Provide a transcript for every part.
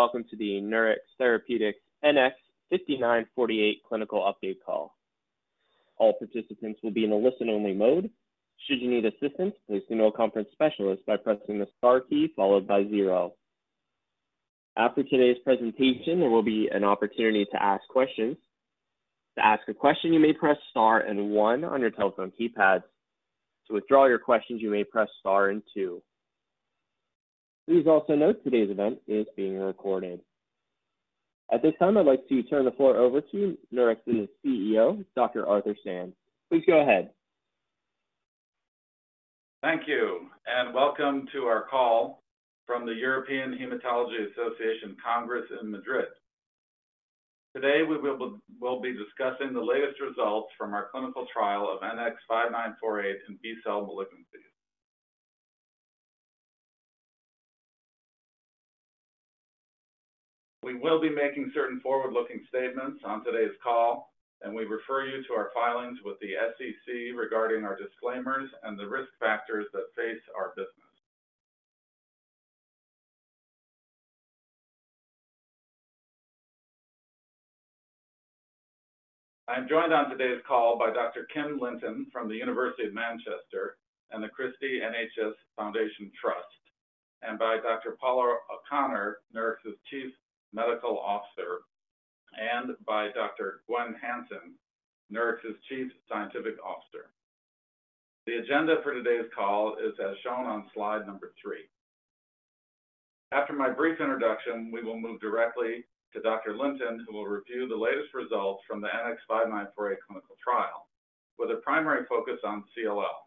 Welcome to the Nurix Therapeutics NX-5948 Clinical Update Call. All participants will be in a listen-only mode. Should you need assistance, please email conference specialist by pressing the star key followed by zero. After today's presentation, there will be an opportunity to ask questions. To ask a question, you may press star and one on your telephone keypads. To withdraw your questions, you may press star and two. Please also note today's event is being recorded. At this time, I'd like to turn the floor over to Nurix's CEO, Dr. Arthur Sands. Please go ahead. Thank you, and welcome to our call from the European Hematology Association Congress in Madrid. Today, we will be discussing the latest results from our clinical trial of NX-5948 in B-cell malignancies. We will be making certain forward-looking statements on today's call, and we refer you to our filings with the SEC regarding our disclaimers and the risk factors that face our business. I am joined on today's call by Dr. Kim Linton from the University of Manchester and The Christie NHS Foundation Trust, and by Dr. Paula O'Connor, Nurix's Chief Medical Officer, and by Dr. Gwenn Hansen, Nurix's Chief Scientific Officer. The agenda for today's call is as shown on slide number 3. After my brief introduction, we will move directly to Dr. Linton, who will review the latest results from the NX-5948 clinical trial with a primary focus on CLL.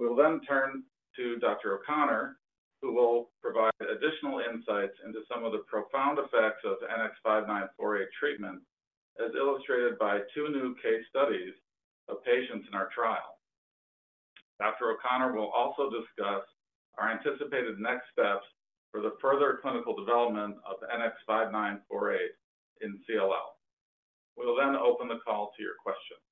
We will then turn to Dr. O'Connor, who will provide additional insights into some of the profound effects of NX-5948 treatment, as illustrated by two new case studies of patients in our trial. Dr. O'Connor will also discuss our anticipated next steps for the further clinical development of NX-5948 in CLL. We'll then open the call to your questions.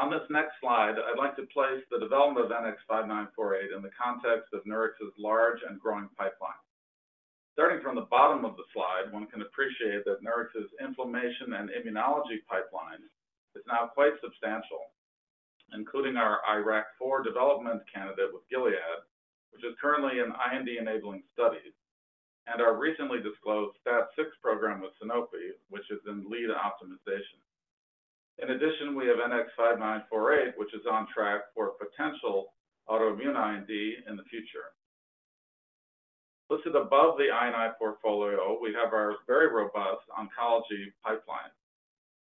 On this next slide, I'd like to place the development of NX-5948 in the context of Nurix's large and growing pipeline. Starting from the bottom of the slide, one can appreciate that Nurix's inflammation and immunology pipeline is now quite substantial, including our IRAK4 development candidate with Gilead, which is currently in IND-enabling studies, and our recently disclosed STAT6 program with Sanofi, which is in lead optimization. In addition, we have NX-5948, which is on track for potential autoimmune IND in the future. Listed above the I&I portfolio, we have our very robust oncology pipeline.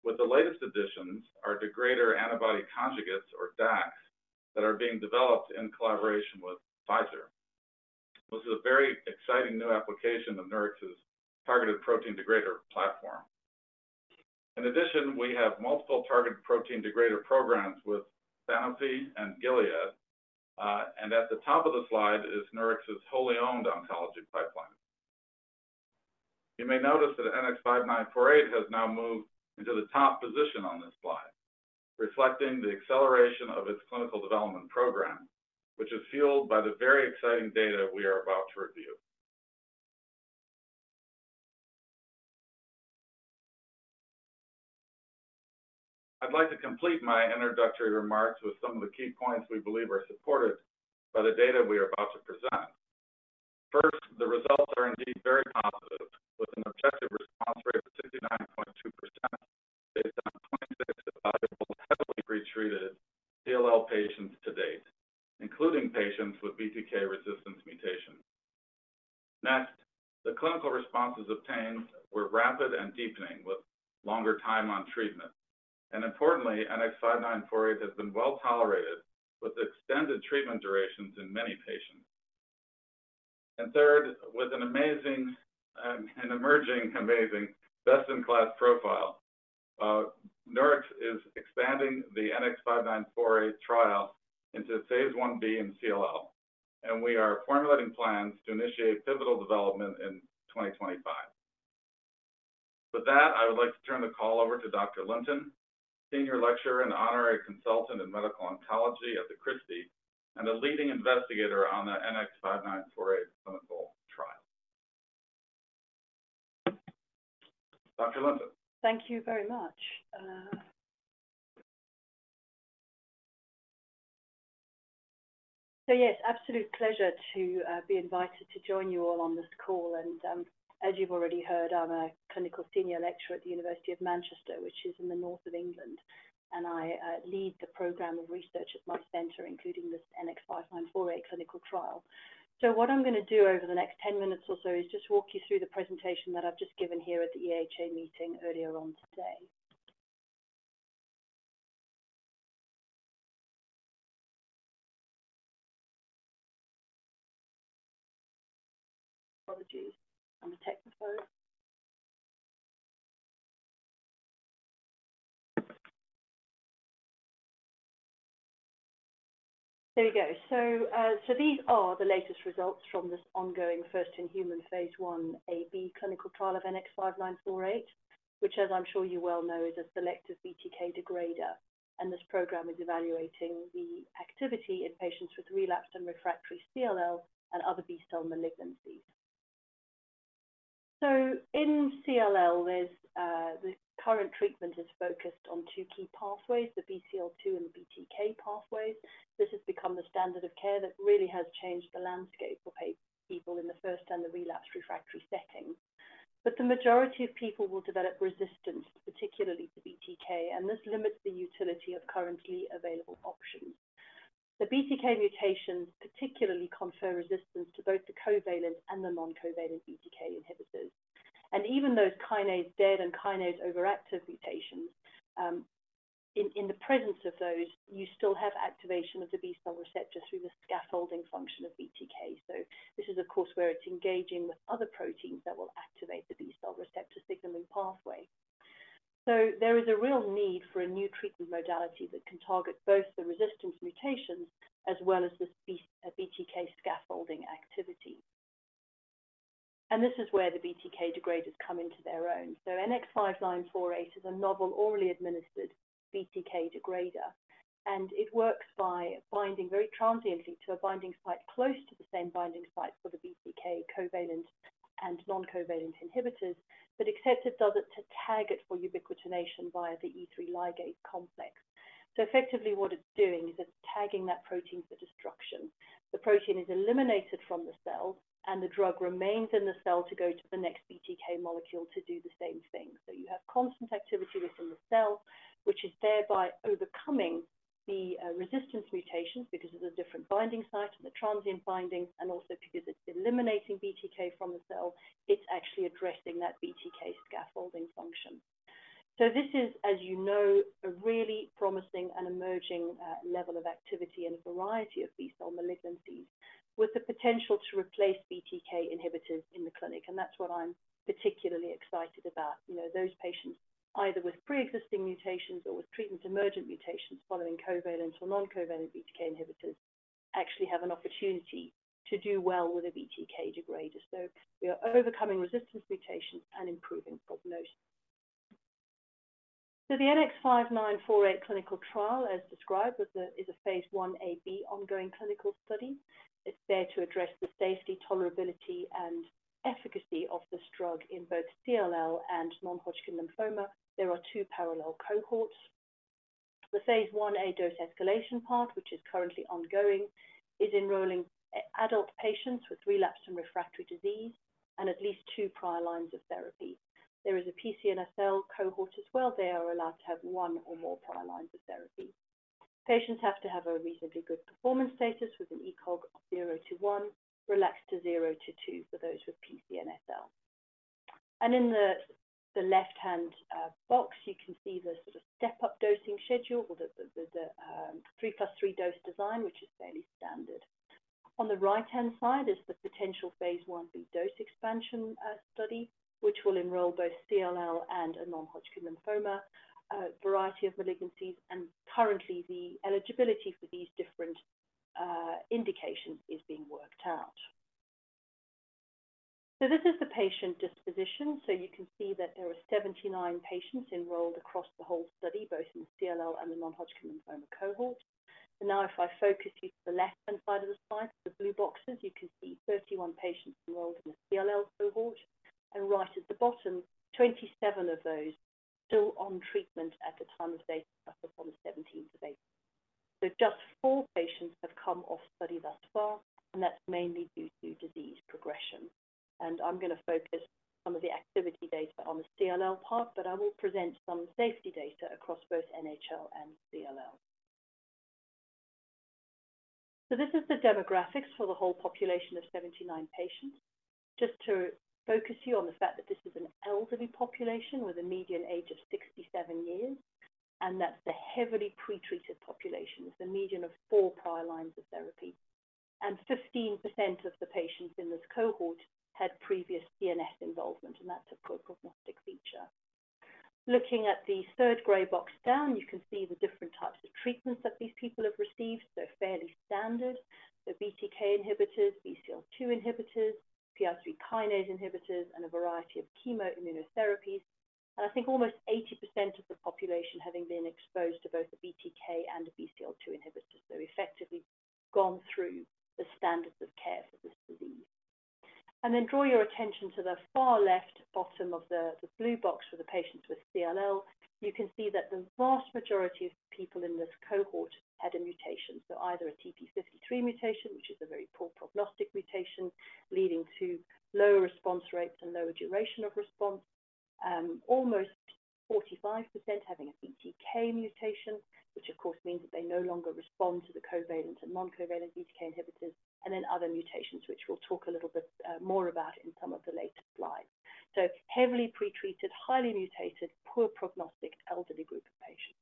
With the latest additions, our degrader antibody conjugates, or DACs, that are being developed in collaboration with Pfizer. This is a very exciting new application of Nurix's targeted protein degrader platform. In addition, we have multiple targeted protein degrader programs with Sanofi and Gilead, and at the top of the slide is Nurix's wholly owned oncology pipeline. You may notice that NX-5948 has now moved into the top position on this slide, reflecting the acceleration of its clinical development program, which is fueled by the very exciting data we are about to review. I'd like to complete my introductory remarks with some of the key points we believe are supported by the data we are about to present. First, the results are indeed very positive, with an objective response rate of 69.2% based on 26 evaluable, heavily pretreated CLL patients to date, including patients with BTK resistance mutation. Next, the clinical responses obtained were rapid and deepening with longer time on treatment. Importantly, NX-5948 has been well tolerated with extended treatment durations in many patients. Third, with an amazing and emerging amazing best-in-class profile, Nurix is expanding the NX-5948 trial into phase I-B in CLL, and we are formulating plans to initiate pivotal development in 2025. With that, I would like to turn the call over to Dr. Linton, Senior Lecturer and Honorary Consultant in Medical Oncology at The Christie, and a leading investigator on the NX-5948 clinical trial. Dr. Linton. Thank you very much. So yes, absolute pleasure to be invited to join you all on this call. And as you've already heard, I'm a Clinical Senior Lecturer at the University of Manchester, which is in the North of England, and I lead the program of research at my center, including this NX-5948 clinical trial. So what I'm going to do over the next 10 minutes or so is just walk you through the presentation that I've just given here at the EHA meeting earlier on today. Apologies. I'm a technophobe. There we go. So these are the latest results from this ongoing first-in-human phase I-A/B clinical trial of NX-5948, which, as I'm sure you well know, is a selective BTK degrader. And this program is evaluating the activity in patients with relapsed and refractory CLL and other B-cell malignancies. In CLL, the current treatment is focused on two key pathways, the BCL-2 and the BTK pathways. This has become the standard of care that really has changed the landscape of people in the first and the relapsed refractory setting. The majority of people will develop resistance, particularly to BTK, and this limits the utility of currently available options. The BTK mutations particularly confer resistance to both the covalent and the non-covalent BTK inhibitors. Even those kinase dead and kinase overactive mutations, in the presence of those, you still have activation of the B-cell receptor through the scaffolding function of BTK. This is, of course, where it's engaging with other proteins that will activate the B-cell receptor signaling pathway. There is a real need for a new treatment modality that can target both the resistance mutations as well as this BTK scaffolding activity. This is where the BTK degraders come into their own. NX-5948 is a novel orally administered BTK degrader, and it works by binding very transiently to a binding site close to the same binding site for the BTK covalent and non-covalent inhibitors, but except it does it to target for ubiquitination via the E3 ligase complex. Effectively, what it's doing is it's tagging that protein for destruction. The protein is eliminated from the cell, and the drug remains in the cell to go to the next BTK molecule to do the same thing. You have constant activity within the cell, which is thereby overcoming the resistance mutations because of the different binding site and the transient binding, and also because it's eliminating BTK from the cell, it's actually addressing that BTK scaffolding function. So this is, as you know, a really promising and emerging level of activity in a variety of B-cell malignancies, with the potential to replace BTK inhibitors in the clinic. And that's what I'm particularly excited about. Those patients, either with pre-existing mutations or with treatment emergent mutations following covalent or non-covalent BTK inhibitors, actually have an opportunity to do well with a BTK degrader. So we are overcoming resistance mutations and improving prognosis. So the NX-5948 clinical trial, as described, is a phase I-A/B ongoing clinical study. It's there to address the safety, tolerability, and efficacy of this drug in both CLL and non-Hodgkin lymphoma. There are 2 parallel cohorts. The phase I-A dose escalation part, which is currently ongoing, is enrolling adult patients with relapsed and refractory disease and at least 2 prior lines of therapy. There is a PCNSL cohort as well. They are allowed to have one or more prior lines of therapy. Patients have to have a reasonably good performance status with an ECOG of 0 to 1, relaxed to 0 to 2 for those with PCNSL. And in the left-hand box, you can see the step-up dosing schedule, the 3+3 dose design, which is fairly standard. On the right-hand side is the potential phase I-B dose expansion study, which will enroll both CLL and a non-Hodgkin lymphoma, a variety of malignancies, and currently, the eligibility for these different indications is being worked out. This is the patient disposition. You can see that there are 79 patients enrolled across the whole study, both in the CLL and the non-Hodgkin lymphoma cohort. Now, if I focus you to the left-hand side of the slide, the blue boxes, you can see 31 patients enrolled in the CLL cohort. Right at the bottom, 27 of those are still on treatment at the time of data, up on the 17th of April. Just 4 patients have come off study thus far, and that's mainly due to disease progression. I'm going to focus some of the activity data on the CLL part, but I will present some safety data across both NHL and CLL. This is the demographics for the whole population of 79 patients. Just to focus you on the fact that this is an elderly population with a median age of 67 years, and that's the heavily pretreated population, the median of 4 prior lines of therapy. 15% of the patients in this cohort had previous CNS involvement, and that's a poor prognostic feature. Looking at the third gray box down, you can see the different types of treatments that these people have received. They're fairly standard. They're BTK inhibitors, BCL-2 inhibitors, PI3 kinase inhibitors, and a variety of chemoimmunotherapies. I think almost 80% of the population having been exposed to both a BTK and a BCL-2 inhibitor, so effectively gone through the standards of care for this disease. Then draw your attention to the far left bottom of the blue box for the patients with CLL. You can see that the vast majority of people in this cohort had a mutation, so either a TP53 mutation, which is a very poor prognostic mutation, leading to lower response rates and lower duration of response. Almost 45% having a BTK mutation, which, of course, means that they no longer respond to the covalent and non-covalent BTK inhibitors, and then other mutations, which we'll talk a little bit more about in some of the later slides. So heavily pretreated, highly mutated, poor prognostic elderly group of patients.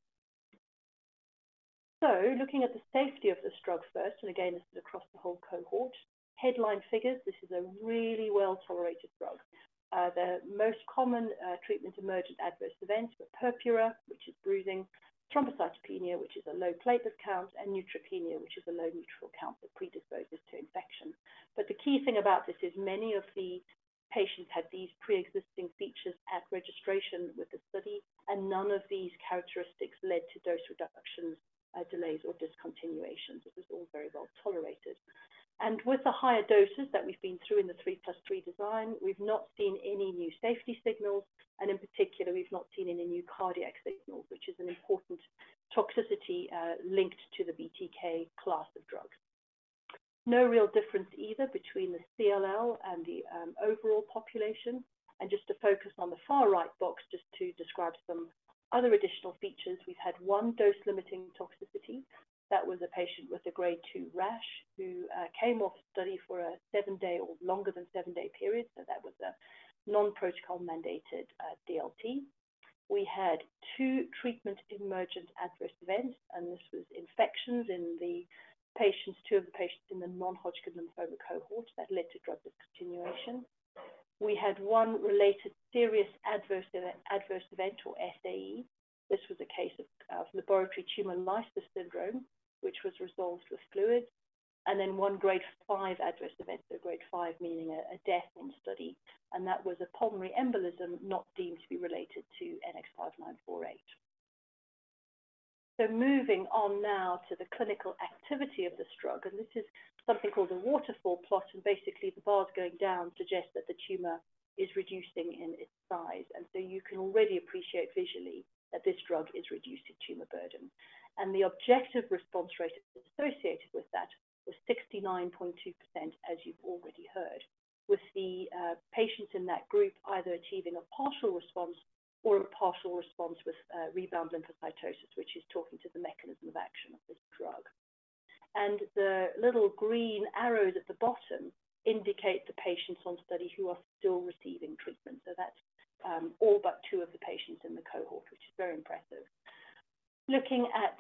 So looking at the safety of the drug first, and again, this is across the whole cohort, headline figures, this is a really well-tolerated drug. The most common treatment emergent adverse events are purpura, which is bruising, thrombocytopenia, which is a low platelet count, and neutropenia, which is a low neutrophil count that predisposes to infection. But the key thing about this is many of the patients had these pre-existing features at registration with the study, and none of these characteristics led to dose reductions, delays, or discontinuations. This is all very well tolerated. And with the higher doses that we've been through in the 3+3 design, we've not seen any new safety signals, and in particular, we've not seen any new cardiac signals, which is an important toxicity linked to the BTK class of drugs. No real difference either between the CLL and the overall population. And just to focus on the far right box, just to describe some other additional features, we've had one dose-limiting toxicity. That was a patient with a grade 2 rash who came off study for a 7-day or longer than 7-day period. So that was a non-protocol mandated DLT. We had two treatment emergent adverse events, and this was infections in the patients, two of the patients in the non-Hodgkin lymphoma cohort that led to drug discontinuation. We had one related serious adverse event or SAE. This was a case of laboratory tumor lysis syndrome, which was resolved with fluids. And then one Grade 5 adverse event, so Grade 5 meaning a death in study, and that was a pulmonary embolism not deemed to be related to NX-5948. So moving on now to the clinical activity of this drug, and this is something called a waterfall plot, and basically the bars going down suggest that the tumor is reducing in its size. And so you can already appreciate visually that this drug is reducing tumor burden. And the objective response rate associated with that was 69.2%, as you've already heard, with the patients in that group either achieving a partial response or a partial response with rebound lymphocytosis, which is talking to the mechanism of action of this drug. And the little green arrows at the bottom indicate the patients on study who are still receiving treatment. So that's all but two of the patients in the cohort, which is very impressive. Looking at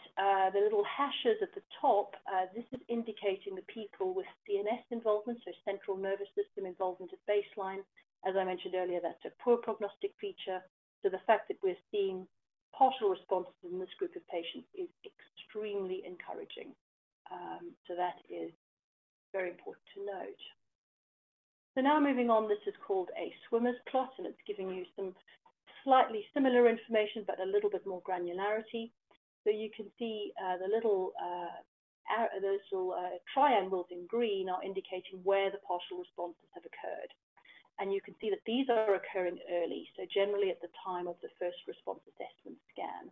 the little hashes at the top, this is indicating the people with CNS involvement, so central nervous system involvement at baseline. As I mentioned earlier, that's a poor prognostic feature. So the fact that we're seeing partial responses in this group of patients is extremely encouraging. So that is very important to note. So now moving on, this is called a Swimmer's plot, and it's giving you some slightly similar information, but a little bit more granularity. So you can see the little triangles in green are indicating where the partial responses have occurred. And you can see that these are occurring early, so generally at the time of the first response assessment scan.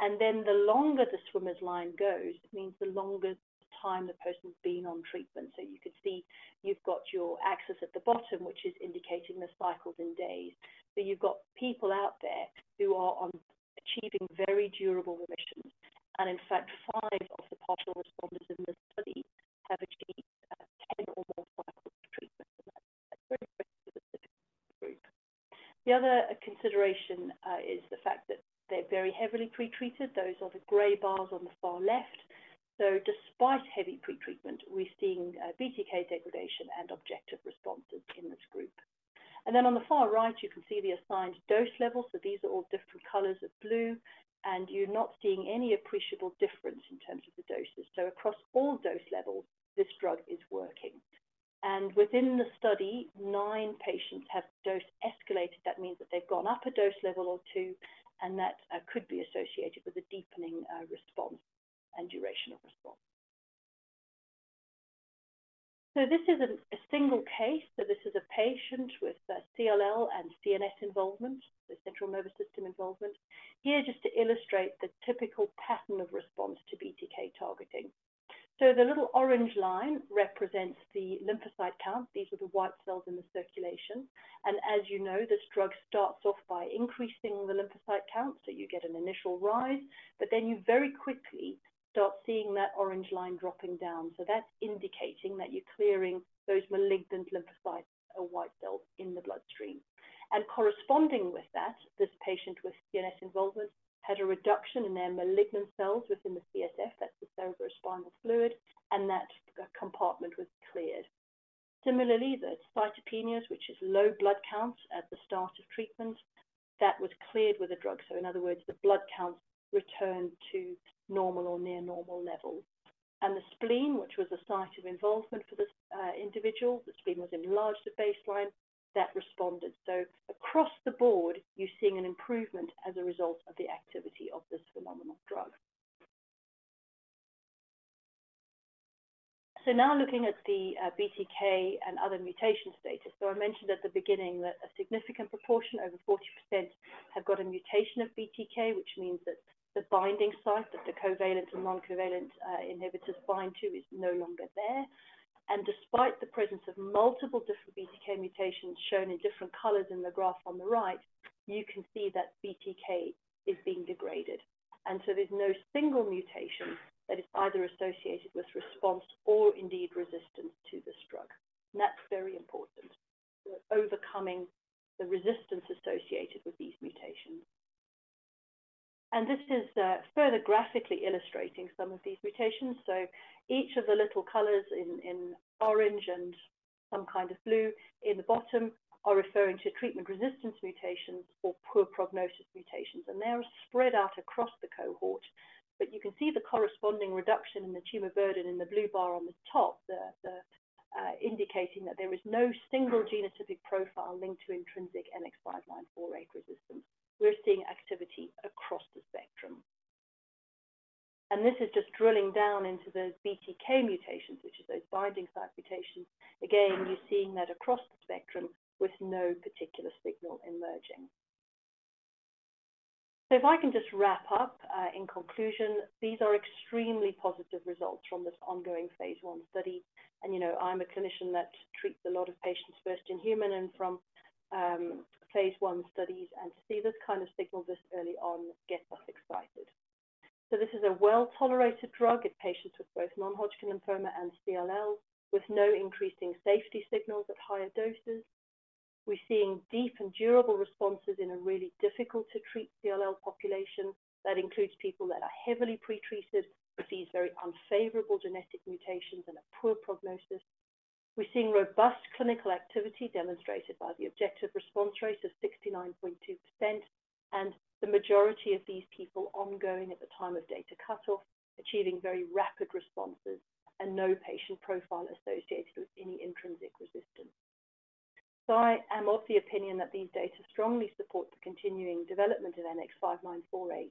And then the longer the Swimmer's line goes, it means the longer the time the person's been on treatment. So you can see you've got your axis at the bottom, which is indicating the cycles in days. So you've got people out there who are achieving very durable remissions. In fact, five of the partial responders in this study have achieved 10 or more cycles of treatment. That's a very specific group. The other consideration is the fact that they're very heavily pretreated. Those are the gray bars on the far left. So despite heavy pretreatment, we're seeing BTK degradation and objective responses in this group. And then on the far right, you can see the assigned dose levels. So these are all different colors of blue, and you're not seeing any appreciable difference in terms of the doses. So across all dose levels, this drug is working. And within the study, nine patients have dose escalated. That means that they've gone up a dose level or two, and that could be associated with a deepening response and duration of response. So this is a single case. So this is a patient with CLL and CNS involvement, so central nervous system involvement. Here, just to illustrate the typical pattern of response to BTK targeting. So the little orange line represents the lymphocyte count. These are the white cells in the circulation. And as you know, this drug starts off by increasing the lymphocyte count, so you get an initial rise, but then you very quickly start seeing that orange line dropping down. So that's indicating that you're clearing those malignant lymphocytes or white cells in the bloodstream. And corresponding with that, this patient with CNS involvement had a reduction in their malignant cells within the CSF, that's the cerebrospinal fluid, and that compartment was cleared. Similarly, the cytopenias, which is low blood counts at the start of treatment, that was cleared with the drug. In other words, the blood counts returned to normal or near normal levels. The spleen, which was a site of involvement for this individual, the spleen was enlarged at baseline, that responded. Across the board, you're seeing an improvement as a result of the activity of this phenomenal drug. Now looking at the BTK and other mutation status. I mentioned at the beginning that a significant proportion, over 40%, have got a mutation of BTK, which means that the binding site that the covalent and non-covalent inhibitors bind to is no longer there. Despite the presence of multiple different BTK mutations shown in different colors in the graph on the right, you can see that BTK is being degraded. There's no single mutation that is either associated with response or indeed resistance to this drug. That's very important, overcoming the resistance associated with these mutations. This is further graphically illustrating some of these mutations. So each of the little colors in orange and some kind of blue in the bottom are referring to treatment resistance mutations or poor prognosis mutations. They're spread out across the cohort. But you can see the corresponding reduction in the tumor burden in the blue bar on the top, indicating that there is no single genotypic profile linked to intrinsic NX-5948 resistance. We're seeing activity across the spectrum. And this is just drilling down into those BTK mutations, which is those binding site mutations. Again, you're seeing that across the spectrum with no particular signal emerging. So if I can just wrap up in conclusion, these are extremely positive results from this ongoing phase I study. I'm a clinician that treats a lot of patients first in human and from phase I studies. To see this kind of signal this early on gets us excited. This is a well-tolerated drug in patients with both non-Hodgkin lymphoma and CLL, with no increasing safety signals at higher doses. We're seeing deep and durable responses in a really difficult-to-treat CLL population. That includes people that are heavily pretreated, receive very unfavorable genetic mutations, and a poor prognosis. We're seeing robust clinical activity demonstrated by the objective response rate of 69.2%, and the majority of these people ongoing at the time of data cutoff, achieving very rapid responses and no patient profile associated with any intrinsic resistance. So I am of the opinion that these data strongly support the continuing development of NX-5948,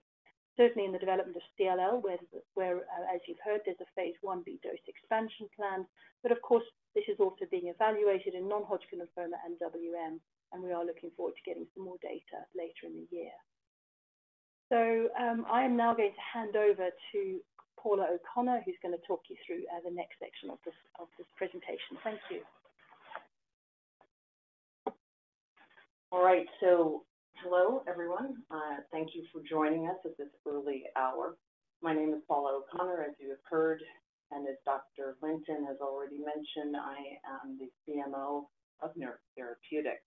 certainly in the development of CLL, where, as you've heard, there's a phase I-B dose expansion plan. But of course, this is also being evaluated in non-Hodgkin lymphoma and WM, and we are looking forward to getting some more data later in the year. So I am now going to hand over to Paula O'Connor, who's going to talk you through the next section of this presentation. Thank you. All right. So hello, everyone. Thank you for joining us at this early hour. My name is Paula O'Connor, as you have heard. As Dr. Linton has already mentioned, I am the CMO of Nurix Therapeutics.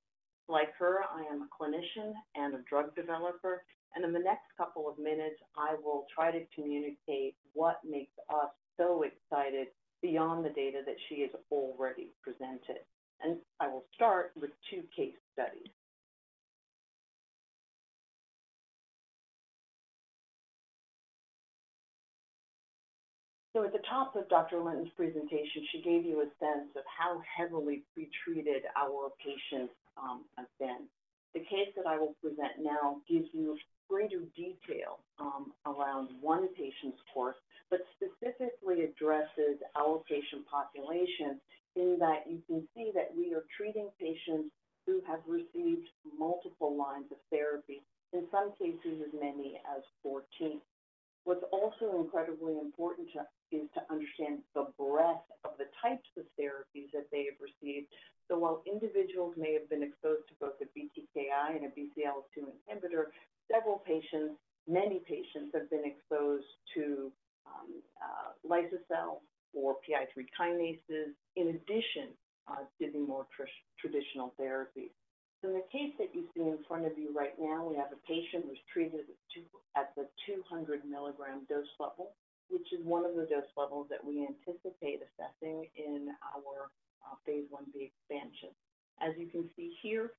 Like her, I am a clinician and a drug developer. In the next couple of minutes, I will try to communicate what makes us so excited beyond the data that she has already presented. I will start with two case studies. At the top of Dr. Linton's presentation, she gave you a sense of how heavily pretreated our patients have been. The case that I will present now gives you greater detail around one patient's course, but specifically addresses our patient population in that you can see that we are treating patients who have received multiple lines of therapy, in some cases as many as 14. What's also incredibly important is to understand the breadth of the types of therapies that they have received. So while individuals may have been exposed to both a BTKI and a BCL-2 inhibitor, several patients, many patients have been exposed to liso-cel or PI3 kinases in addition to the more traditional therapies. In the case that you see in front of you right now, we have a patient who's treated at the 200 mg dose level, which is one of the dose levels that we anticipate assessing in our phase I-B expansion. As you can see here,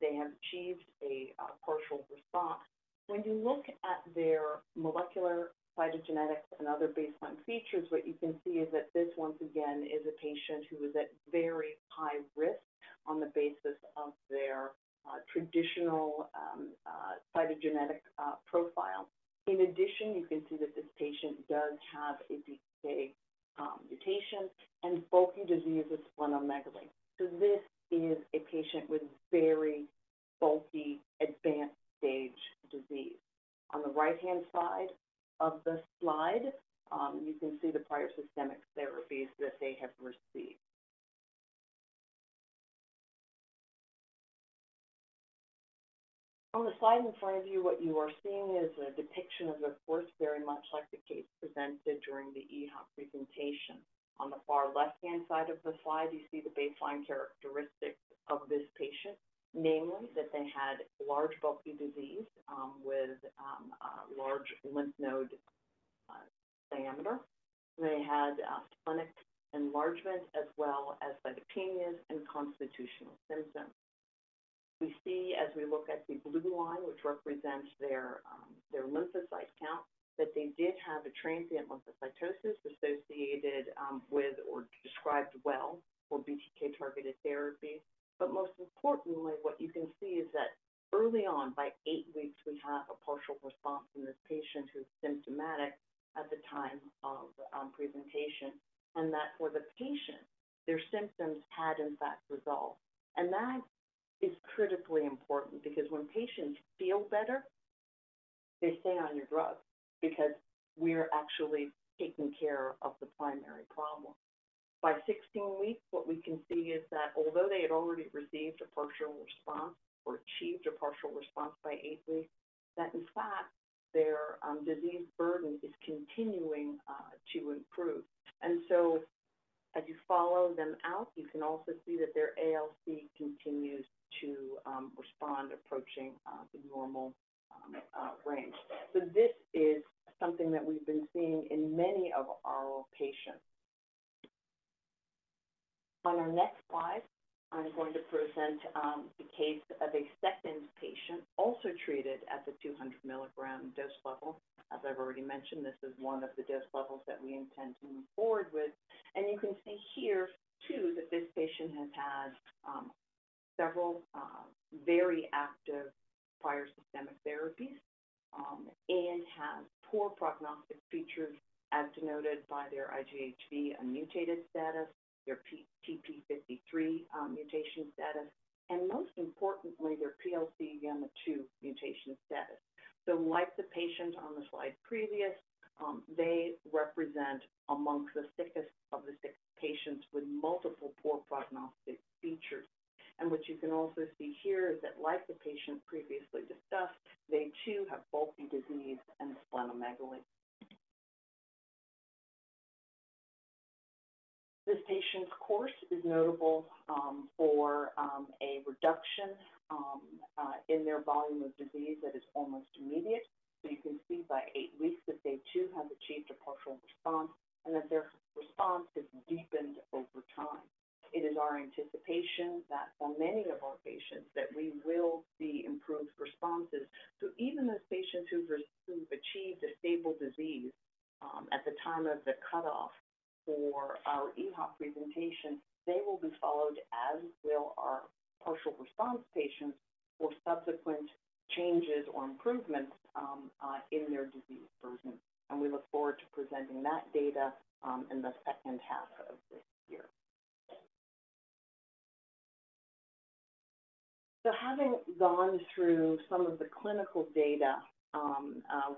they have achieved a partial response. When you look at their molecular cytogenetics and other baseline features, what you can see is that this, once again, is a patient who is at very high risk on the basis of their traditional cytogenetic profile. In addition, you can see that this patient does have a BTK mutation and bulky disease of splenomegaly. So this is a patient with very bulky advanced stage disease. On the right-hand side of the slide, you can see the prior systemic therapies that they have received. On the slide in front of you, what you are seeing is a depiction of the course, very much like the case presented during the EHA presentation. On the far left-hand side of the slide, you see the baseline characteristics of this patient, namely that they had large bulky disease with large lymph node diameter. They had splenic enlargement as well as cytopenias and constitutional symptoms. We see, as we look at the blue line, which represents their lymphocyte count, that they did have a transient lymphocytosis associated with or described well for BTK targeted therapy. But most importantly, what you can see is that early on, by 8 weeks, we have a partial response in this patient who's symptomatic at the time of presentation, and that for the patient, their symptoms had in fact resolved. That is critically important because when patients feel better, they stay on your drug because we're actually taking care of the primary problem. By 16 weeks, what we can see is that although they had already received a partial response or achieved a partial response by 8 weeks, that in fact, their disease burden is continuing to improve. So as you follow them out, you can also see that their ALC continues to respond, approaching the normal range. So this is something that we've been seeing in many of our patients. On our next slide, I'm going to present the case of a second patient also treated at the 200 mg dose level. As I've already mentioned, this is one of the dose levels that we intend to move forward with. You can see here, too, that this patient has had several very active prior systemic therapies and has poor prognostic features, as denoted by their IGHV mutated status, their TP53 mutation status, and most importantly, their PLCG2 mutation status. So like the patient on the slide previous, they represent among the sickest of the sick patients with multiple poor prognostic features. What you can also see here is that, like the patient previously discussed, they too have bulky disease and splenomegaly. This patient's course is notable for a reduction in their volume of disease that is almost immediate. So you can see by 8 weeks that they too have achieved a partial response and that their response has deepened over time. It is our anticipation that for many of our patients, that we will see improved responses. So even those patients who've achieved a stable disease at the time of the cutoff for our EHA presentation, they will be followed as will our partial response patients for subsequent changes or improvements in their disease burden. And we look forward to presenting that data in the second half of this year. So having gone through some of the clinical data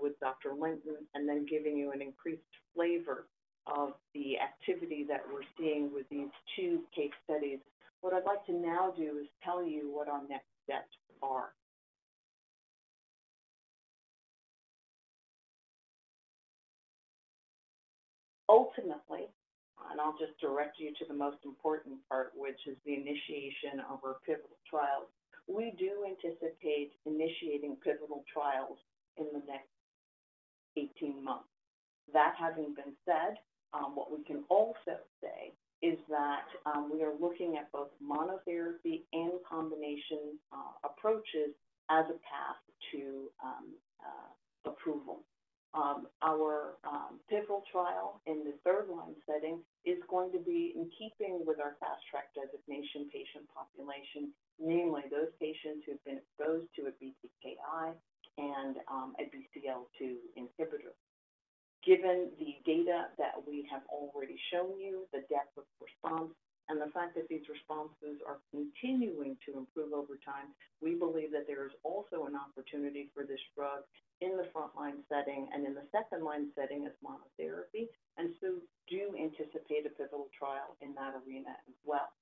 with Dr. Linton and then giving you an increased flavor of the activity that we're seeing with these two case studies, what I'd like to now do is tell you what our next steps are. Ultimately, and I'll just direct you to the most important part, which is the initiation of our pivotal trials, we do anticipate initiating pivotal trials in the next 18 months. That having been said, what we can also say is that we are looking at both monotherapy and combination approaches as a path to approval. Our pivotal trial in the third line setting is going to be in keeping with our fast-track designation patient population, namely those patients who've been exposed to a BTKI and a BCL-2 inhibitor. Given the data that we have already shown you, the depth of response, and the fact that these responses are continuing to improve over time, we believe that there is also an opportunity for this drug in the front line setting and in the second line setting as monotherapy. And so do anticipate a pivotal trial in that arena as well.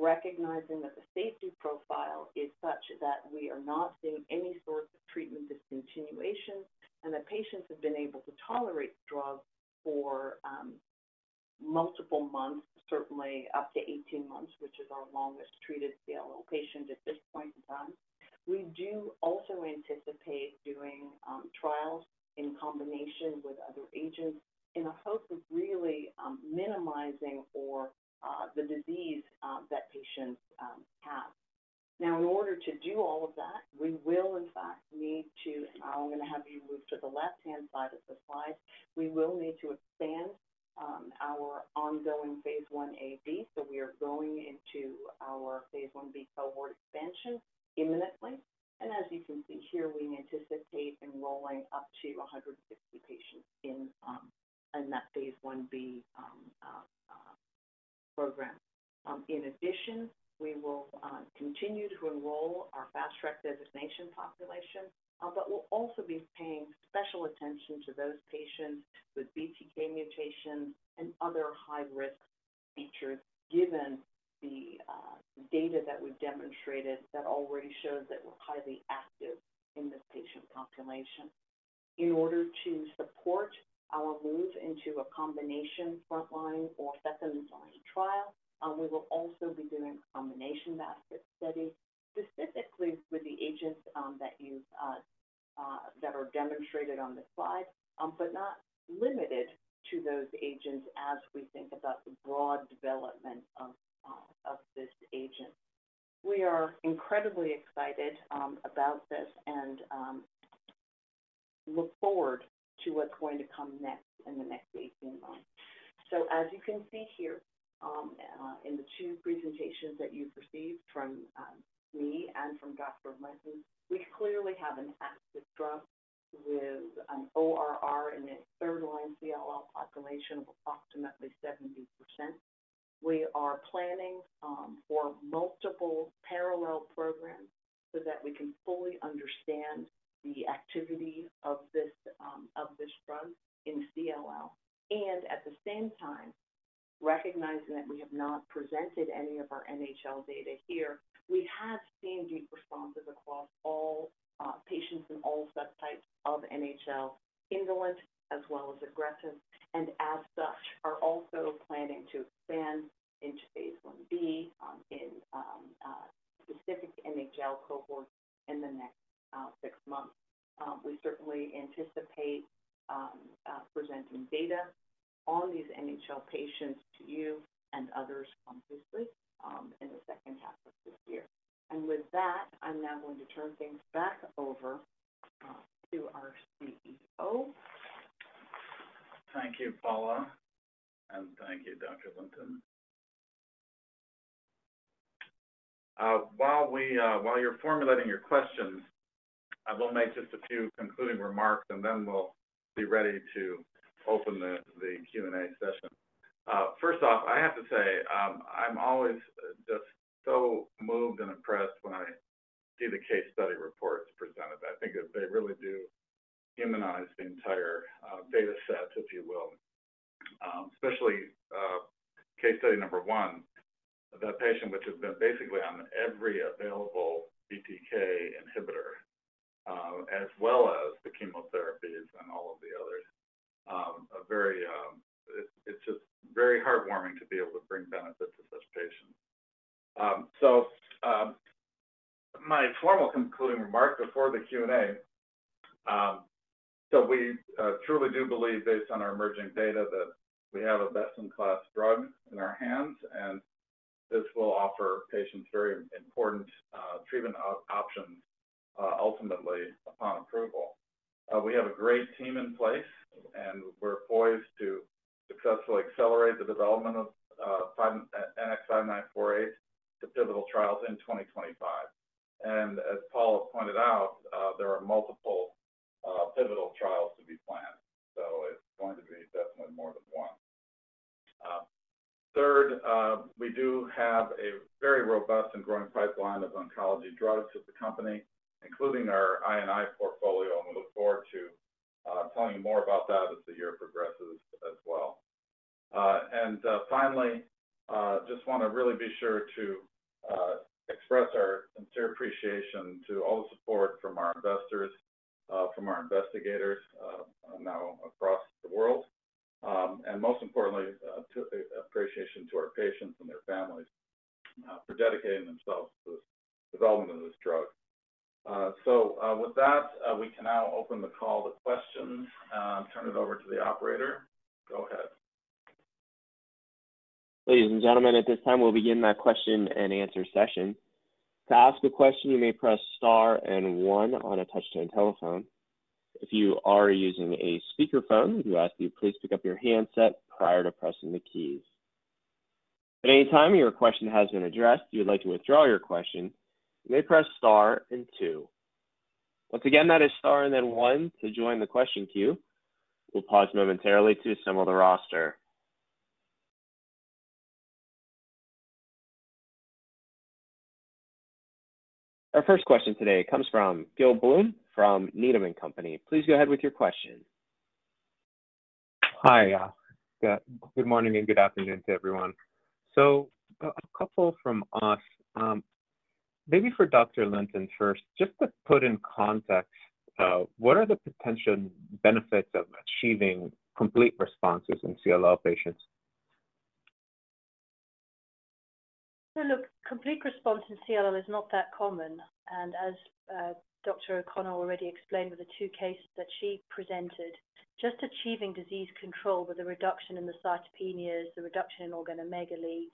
Recognizing that the safety profile is such that we are not seeing any sort of treatment discontinuation and that patients have been able to tolerate the drug for multiple months, certainly up to 18 months, which is our longest treated CLL patient at this point in time, we do also anticipate doing trials in combination with other agents in a hope of really minimizing the disease that patients have. Now, in order to do all of that, we will in fact need to, and I'm going to have you move to the left-hand side of the slide, we will need to expand our ongoing phase I-A/B. So we are going into our phase I-B cohort expansion imminently. And as you can see here, we anticipate enrolling up to 150 patients in that phase I-B program. In addition, we will continue to enroll our fast-track designation population, but we'll also be paying special attention to those patients with BTK mutations and other high-risk features given the data that we've demonstrated that already shows that we're highly active in this patient population. In order to support our move into a combination front line or second line trial, we will also be doing combination basket studies specifically with the agents that are demonstrated on the slide, but not limited to those agents as we think about the broad development of this agent. We are incredibly excited about this and look forward to what's going to come next in the next 18 months. So as you can see here in the two presentations that you've received from me and from Dr. Linton, we clearly have an active drug with an ORR in the third-line CLL population of approximately 70%. We are planning for multiple parallel programs so that we can fully understand the activity of this drug in CLL. And at the same time, recognizing that we have not presented any of our NHL data here, we have seen deep responses across all patients and all subtypes of NHL, indolent as well as aggressive. And as such, we are also planning to expand into phase I-B in specific NHL cohorts in the next six months. We certainly anticipate presenting data on these NHL patients to you and others obviously in the second half of this year. And with that, I'm now going to turn things back over to our CEO. Thank you, Paula. And thank you, Dr. Linton. While you're formulating your questions, I will make just a few concluding remarks, and then we'll be ready to open the Q&A session. First off, I have to say I'm always just so moved and impressed when I see the case study reports presented. I think that they really do humanize the entire data set, if you will, especially case study number one, that patient which has been basically on every available BTK inhibitor as well as the chemotherapies and all of the others. It's just very heartwarming to be able to bring benefit to such patients. So my formal concluding remark before the Q&A, so we truly do believe, based on our emerging data, that we have a best-in-class drug in our hands, and this will offer patients very important treatment options ultimately upon approval. We have a great team in place, and we're poised to successfully accelerate the development of NX-5948 to pivotal trials in 2025. And as Paula pointed out, there are multiple pivotal trials to be planned. So it's going to be definitely more than one. Third, we do have a very robust and growing pipeline of oncology drugs at the company, including our I&I portfolio, and we look forward to telling you more about that as the year progresses as well. And finally, I just want to really be sure to express our sincere appreciation to all the support from our investors, from our investigators now across the world, and most importantly, appreciation to our patients and their families for dedicating themselves to the development of this drug. So with that, we can now open the call to questions. I'll turn it over to the operator. Go ahead. Ladies and gentlemen, at this time, we'll begin that question and answer session. To ask a question, you may press star and one on a touchscreen telephone. If you are using a speakerphone, we do ask that you please pick up your handset prior to pressing the keys. At any time your question has been addressed, you would like to withdraw your question, you may press star and two. Once again, that is star and then one to join the question queue. We'll pause momentarily to assemble the roster. Our first question today comes from Gil Blum from Needham & Company. Please go ahead with your question. Hi. Good morning and good afternoon to everyone. A couple from us. Maybe for Dr. Linton first, just to put in context, what are the potential benefits of achieving complete responses in CLL patients? So look, complete response in CLL is not that common. And as Dr. O’Connor already explained with the two cases that she presented, just achieving disease control with a reduction in the cytopenias, the reduction in organomegaly,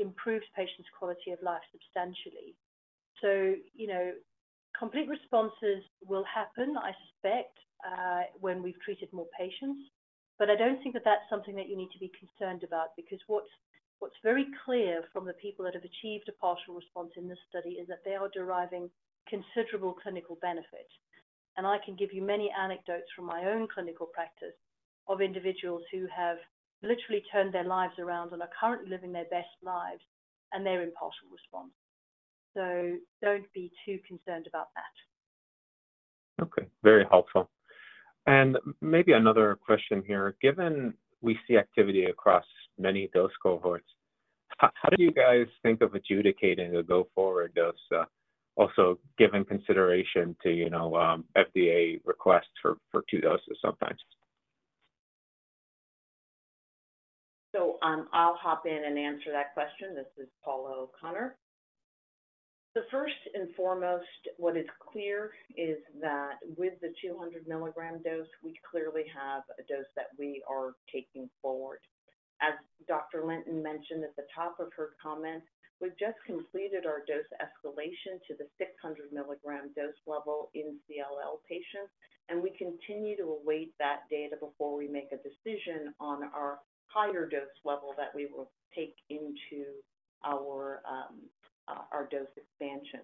improves patients' quality of life substantially. So complete responses will happen, I suspect, when we've treated more patients. But I don't think that that's something that you need to be concerned about because what's very clear from the people that have achieved a partial response in this study is that they are deriving considerable clinical benefit. And I can give you many anecdotes from my own clinical practice of individuals who have literally turned their lives around and are currently living their best lives and they're in partial response. So don't be too concerned about that. Okay. Very helpful. Maybe another question here. Given we see activity across many dose cohorts, how do you guys think of adjudicating the go-forward dose, also given consideration to FDA requests for two doses sometimes? So I'll hop in and answer that question. This is Paula O’Connor. So first and foremost, what is clear is that with the 200 mg dose, we clearly have a dose that we are taking forward. As Dr. Linton mentioned at the top of her comments, we've just completed our dose escalation to the 600 mg dose level in CLL patients, and we continue to await that data before we make a decision on our higher dose level that we will take into our dose expansion.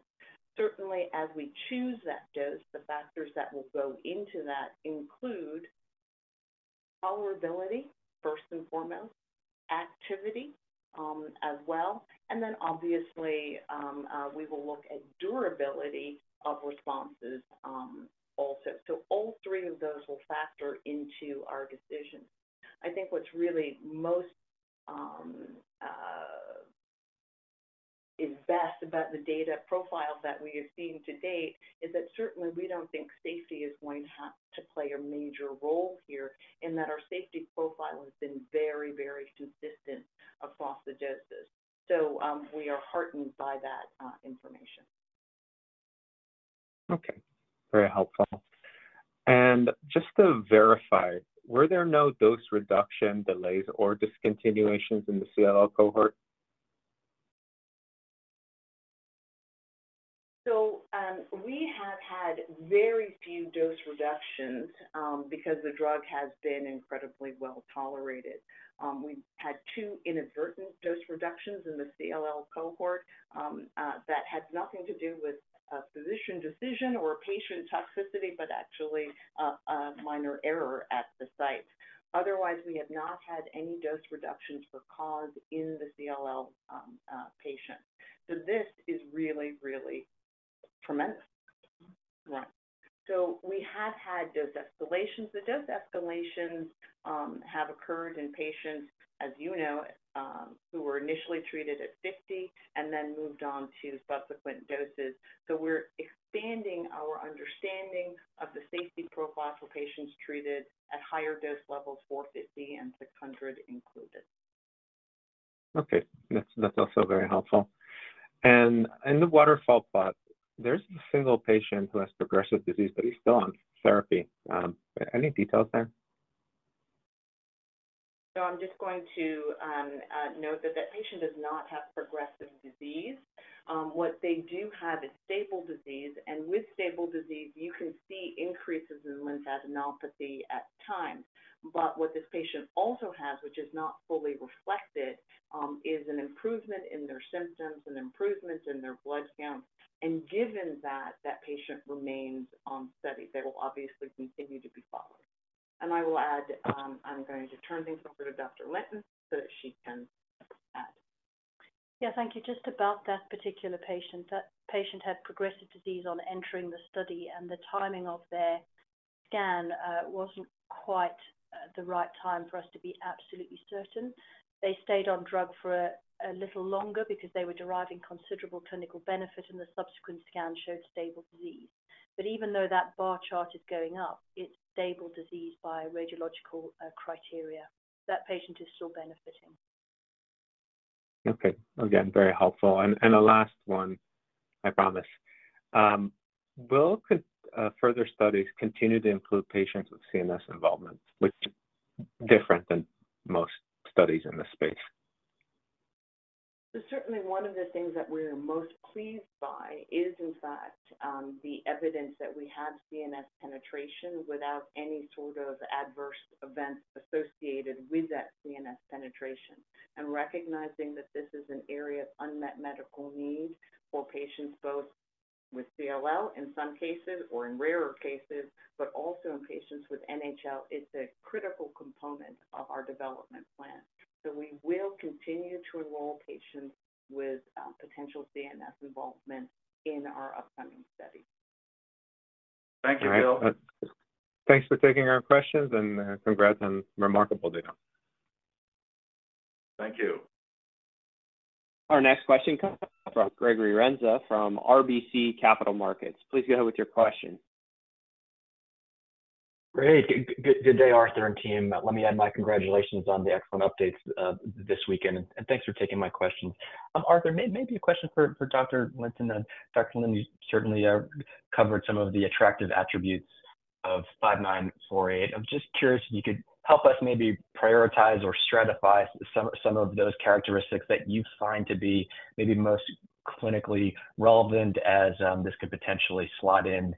Certainly, as we choose that dose, the factors that will go into that include tolerability, first and foremost, activity as well, and then obviously, we will look at durability of responses also. So all three of those will factor into our decision. I think what's really most is best about the data profile that we have seen to date is that certainly we don't think safety is going to play a major role here in that our safety profile has been very, very consistent across the doses. So we are heartened by that information. Okay. Very helpful. And just to verify, were there no dose reduction delays or discontinuations in the CLL cohort? So we have had very few dose reductions because the drug has been incredibly well tolerated. We had two inadvertent dose reductions in the CLL cohort that had nothing to do with a physician decision or patient toxicity, but actually a minor error at the site. Otherwise, we have not had any dose reductions for cause in the CLL patients. So this is really, really tremendous. Right. So we have had dose escalations. The dose escalations have occurred in patients, as you know, who were initially treated at 50 mg and then moved on to subsequent doses. So we're expanding our understanding of the safety profile for patients treated at higher dose levels, 450 mg and 600 mg included. Okay. That's also very helpful. In the waterfall plot, there's a single patient who has progressive disease, but he's still on therapy. Any details there? I'm just going to note that that patient does not have progressive disease. What they do have is stable disease. With stable disease, you can see increases in lymphadenopathy at times. What this patient also has, which is not fully reflected, is an improvement in their symptoms, an improvement in their blood count. Given that, that patient remains on study. They will obviously continue to be followed. I will add, I'm going to turn things over to Dr. Linton so that she can add. Yeah. Thank you. Just about that particular patient, that patient had progressive disease on entering the study, and the timing of their scan wasn't quite the right time for us to be absolutely certain. They stayed on drug for a little longer because they were deriving considerable clinical benefit, and the subsequent scan showed stable disease. But even though that bar chart is going up, it's stable disease by radiological criteria. That patient is still benefiting. Okay. Again, very helpful. And a last one, I promise. Will further studies continue to include patients with CNS involvement, which is different than most studies in this space? So certainly, one of the things that we're most pleased by is, in fact, the evidence that we have CNS penetration without any sort of adverse events associated with that CNS penetration. And recognizing that this is an area of unmet medical need for patients both with CLL in some cases or in rarer cases, but also in patients with NHL, it's a critical component of our development plan. So we will continue to enroll patients with potential CNS involvement in our upcoming study. Thank you, Gil. Thanks for taking our questions, and congrats on remarkable data. Thank you. Our next question comes from Gregory Renza from RBC Capital Markets. Please go ahead with your question. Great. Good day, Arthur and team. Let me add my congratulations on the excellent updates this weekend, and thanks for taking my questions. Arthur, maybe a question for Dr. Linton. Dr. Linton, you certainly covered some of the attractive attributes of 5948. I'm just curious if you could help us maybe prioritize or stratify some of those characteristics that you find to be maybe most clinically relevant as this could potentially slide in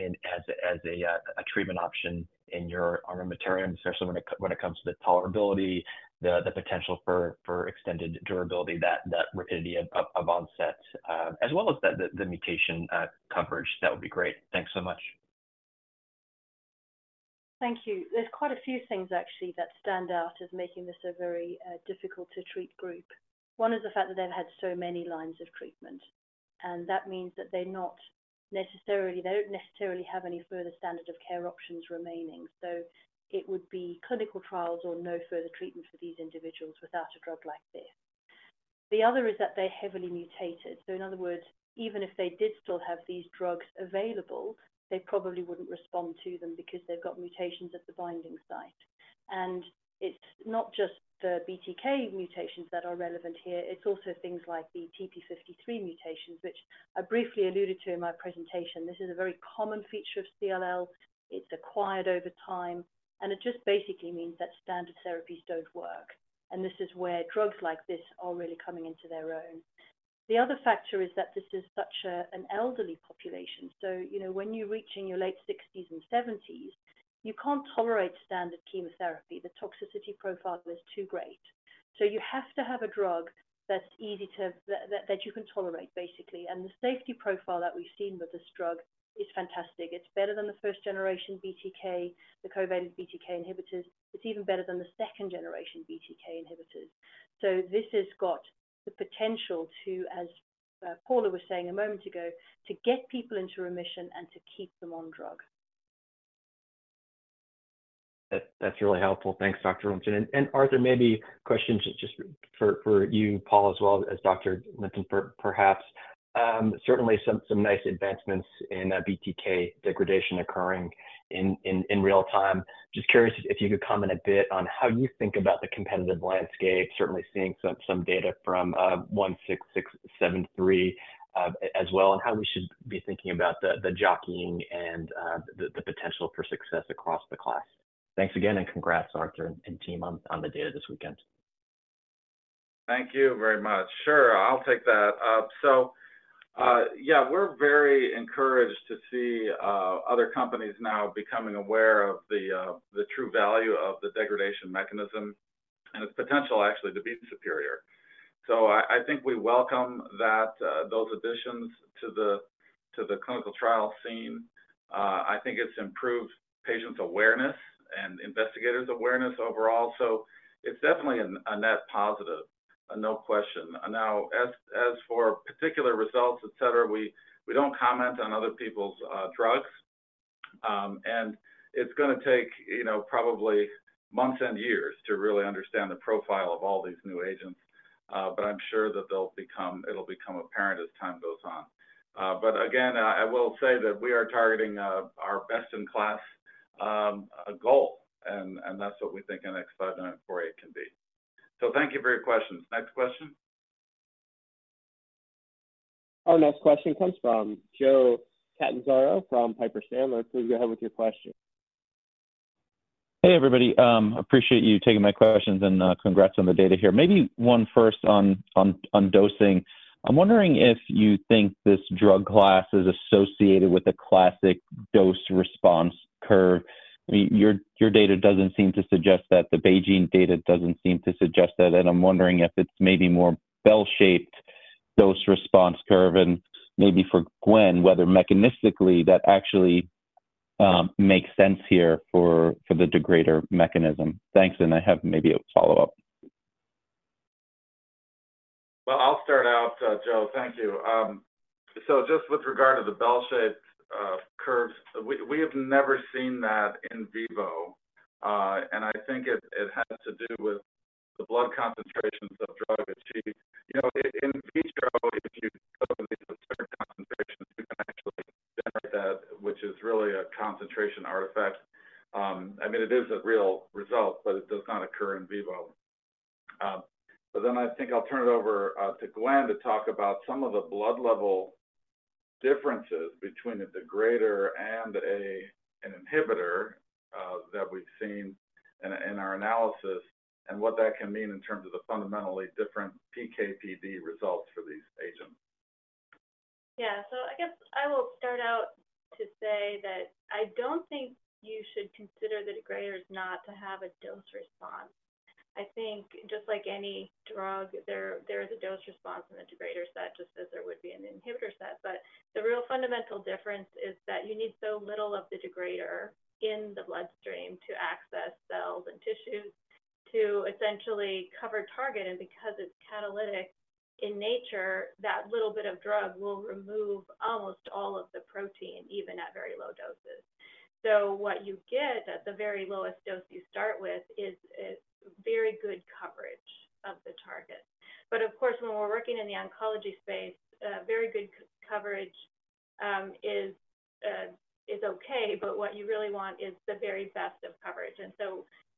as a treatment option in your armamentarium, especially when it comes to the tolerability, the potential for extended durability, that rapidity of onset, as well as the mutation coverage. That would be great. Thanks so much. Thank you. There's quite a few things, actually, that stand out as making this a very difficult-to-treat group. One is the fact that they've had so many lines of treatment, and that means that they don't necessarily have any further standard of care options remaining. So it would be clinical trials or no further treatment for these individuals without a drug like this. The other is that they're heavily mutated. So in other words, even if they did still have these drugs available, they probably wouldn't respond to them because they've got mutations at the binding site. And it's not just the BTK mutations that are relevant here. It's also things like the TP53 mutations, which I briefly alluded to in my presentation. This is a very common feature of CLL. It's acquired over time, and it just basically means that standard therapies don't work. And this is where drugs like this are really coming into their own. The other factor is that this is such an elderly population. So when you're reaching your late 60s and 70s, you can't tolerate standard chemotherapy. The toxicity profile is too great. So you have to have a drug that's easy to, that you can tolerate, basically. And the safety profile that we've seen with this drug is fantastic. It's better than the first-generation BTK, the covalent BTK inhibitors. It's even better than the second-generation BTK inhibitors. So this has got the potential to, as Paula was saying a moment ago, to get people into remission and to keep them on drug. That's really helpful. Thanks, Dr. Linton. And Arthur, maybe questions just for you, Paula, as well as Dr. Linton, perhaps. Certainly, some nice advancements in BTK degradation occurring in real time. Just curious if you could comment a bit on how you think about the competitive landscape, certainly seeing some data from 16673 as well, and how we should be thinking about the jockeying and the potential for success across the class. Thanks again, and congrats, Arthur and team, on the data this weekend. Thank you very much. Sure. I'll take that up. So yeah, we're very encouraged to see other companies now becoming aware of the true value of the degradation mechanism and its potential, actually, to be superior. So I think we welcome those additions to the clinical trial scene. I think it's improved patients' awareness and investigators' awareness overall. So it's definitely a net positive, no question. Now, as for particular results, etc., we don't comment on other people's drugs. And it's going to take probably months and years to really understand the profile of all these new agents, but I'm sure that it'll become apparent as time goes on. But again, I will say that we are targeting our best-in-class goal, and that's what we think NX-5948 can be. So thank you for your questions. Next question. Our next question comes from Joe Catanzaro from Piper Sandler. Please go ahead with your question. Hey, everybody. Appreciate you taking my questions and congrats on the data here. Maybe one first on dosing. I'm wondering if you think this drug class is associated with a classic dose-response curve. I mean, your data doesn't seem to suggest that. The BeiGene data doesn't seem to suggest that. And I'm wondering if it's maybe more bell-shaped dose-response curve. And maybe for Gwenn, whether mechanistically that actually makes sense here for the degrader mechanism. Thanks. And I have maybe a follow-up. Well, I'll start out, Joe. Thank you. So just with regard to the bell-shaped curves, we have never seen that in vivo. And I think it has to do with the blood concentrations of drug achieved. In vitro, if you go to these absurd concentrations, you can actually generate that, which is really a concentration artifact. I mean, it is a real result, but it does not occur in vivo. But then I think I'll turn it over to Gwenn to talk about some of the blood level differences between a degrader and an inhibitor that we've seen in our analysis and what that can mean in terms of the fundamentally different PK/PD results for these agents. Yeah. So I guess I will start out to say that I don't think you should consider the degraders not to have a dose response. I think just like any drug, there is a dose response in the degraders set, just as there would be in the inhibitor set. But the real fundamental difference is that you need so little of the degrader in the bloodstream to access cells and tissues to essentially cover target. And because it's catalytic in nature, that little bit of drug will remove almost all of the protein, even at very low doses. So what you get at the very lowest dose you start with is very good coverage of the target. But of course, when we're working in the oncology space, very good coverage is okay, but what you really want is the very best of coverage.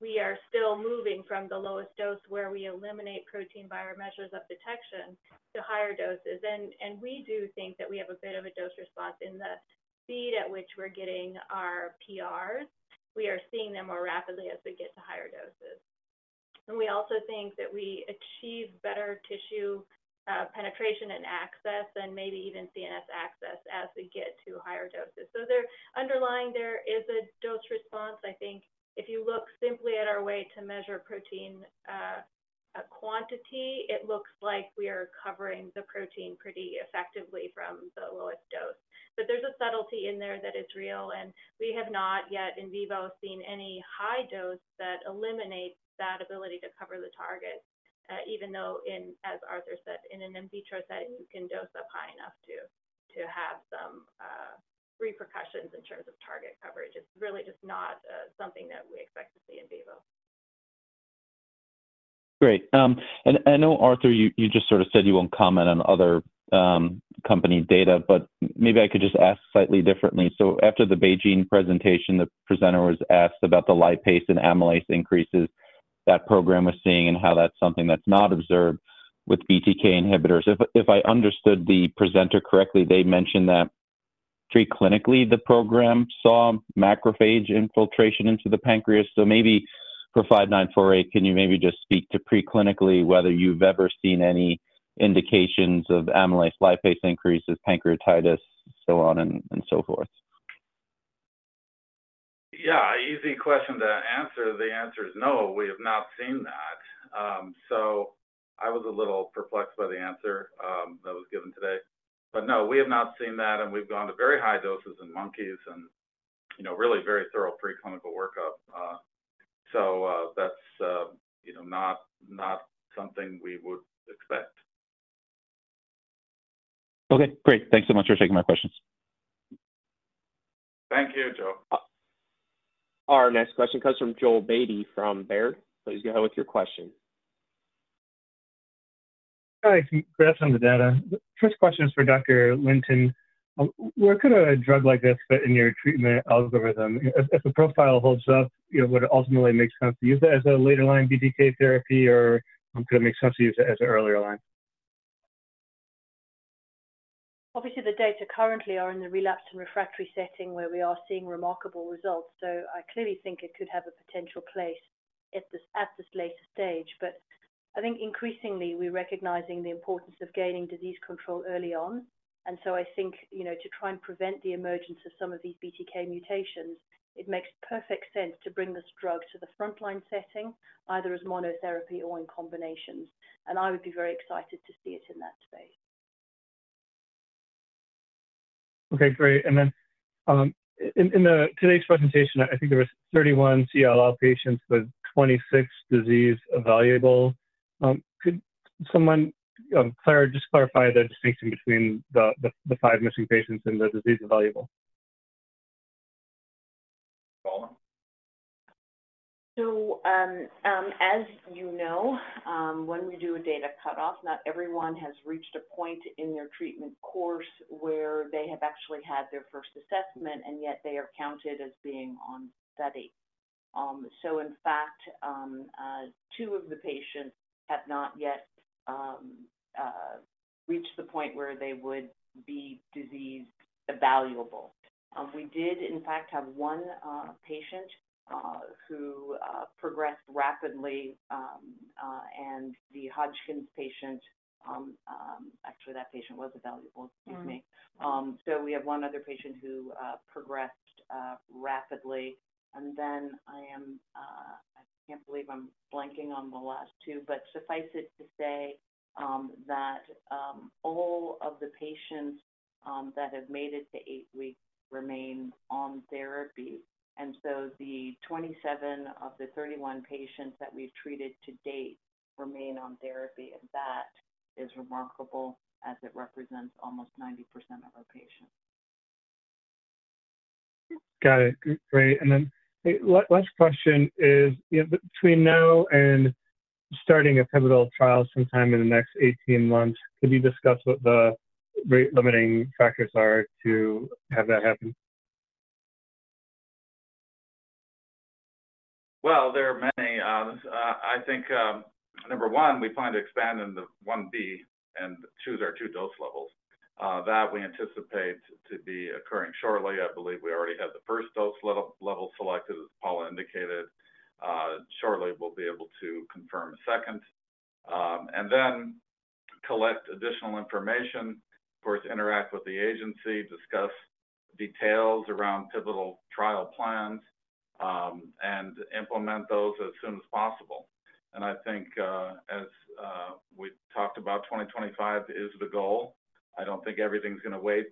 We are still moving from the lowest dose where we eliminate protein via our measures of detection to higher doses. We do think that we have a bit of a dose response in the speed at which we're getting our PRs. We are seeing them more rapidly as we get to higher doses. We also think that we achieve better tissue penetration and access and maybe even CNS access as we get to higher doses. Underlying, there is a dose response. I think if you look simply at our way to measure protein quantity, it looks like we are covering the protein pretty effectively from the lowest dose. But there's a subtlety in there that is real, and we have not yet in vivo seen any high dose that eliminates that ability to cover the target, even though, as Arthur said, in an in vitro setting, you can dose up high enough to have some repercussions in terms of target coverage. It's really just not something that we expect to see in vivo. Great. And I know, Arthur, you just sort of said you won't comment on other company data, but maybe I could just ask slightly differently. So after the BeiGene presentation, the presenter was asked about the lipase and amylase increases that program was seeing and how that's something that's not observed with BTK inhibitors. If I understood the presenter correctly, they mentioned that preclinically, the program saw macrophage infiltration into the pancreas. So maybe for 5948, can you maybe just speak to preclinically whether you've ever seen any indications of amylase lipase increases, pancreatitis, so on and so forth? Yeah. Easy question to answer. The answer is no. We have not seen that. So I was a little perplexed by the answer that was given today. But no, we have not seen that, and we've gone to very high doses in monkeys and really very thorough preclinical workup. So that's not something we would expect. Okay. Great. Thanks so much for taking my questions. Thank you, Joe. Our next question comes from Joel Beatty from Baird. Please go ahead with your question. Hi. Congrats on the data. First question is for Dr. Linton. Where could a drug like this fit in your treatment algorithm? If the profile holds up, would it ultimately make sense to use it as a later-line BTK therapy, or could it make sense to use it as an earlier line? Obviously, the data currently are in the relapsed and refractory setting where we are seeing remarkable results. So I clearly think it could have a potential place at this later stage. But I think increasingly, we're recognizing the importance of gaining disease control early on. And so I think to try and prevent the emergence of some of these BTK mutations, it makes perfect sense to bring this drug to the frontline setting, either as monotherapy or in combinations. And I would be very excited to see it in that space. Okay. Great. And then in today's presentation, I think there were 31 CLL patients with 26 evaluable. Could someone just clarify the distinction between the five missing patients and the evaluable? Paula? So as you know, when we do a data cutoff, not everyone has reached a point in their treatment course where they have actually had their first assessment, and yet they are counted as being on study. So in fact, two of the patients have not yet reached the point where they would be disease evaluable. We did, in fact, have one patient who progressed rapidly, and the Hodgkin's patient, actually, that patient was evaluable, excuse me, so we have one other patient who progressed rapidly. And then I can't believe I'm blanking on the last two, but suffice it to say that all of the patients that have made it to 8 weeks remain on therapy. And so the 27 of the 31 patients that we've treated to date remain on therapy, and that is remarkable as it represents almost 90% of our patients. Got it. Great. And then last question is, between now and starting a pivotal trial sometime in the next 18 months, could you discuss what the rate-limiting factors are to have that happen? Well, there are many. I think, number one, we plan to expand into I-b and choose our two dose levels. That we anticipate to be occurring shortly. I believe we already have the first dose level selected, as Paula indicated. Shortly, we'll be able to confirm a second. And then collect additional information, of course, interact with the agency, discuss details around pivotal trial plans, and implement those as soon as possible. And I think, as we talked about, 2025 is the goal. I don't think everything's going to wait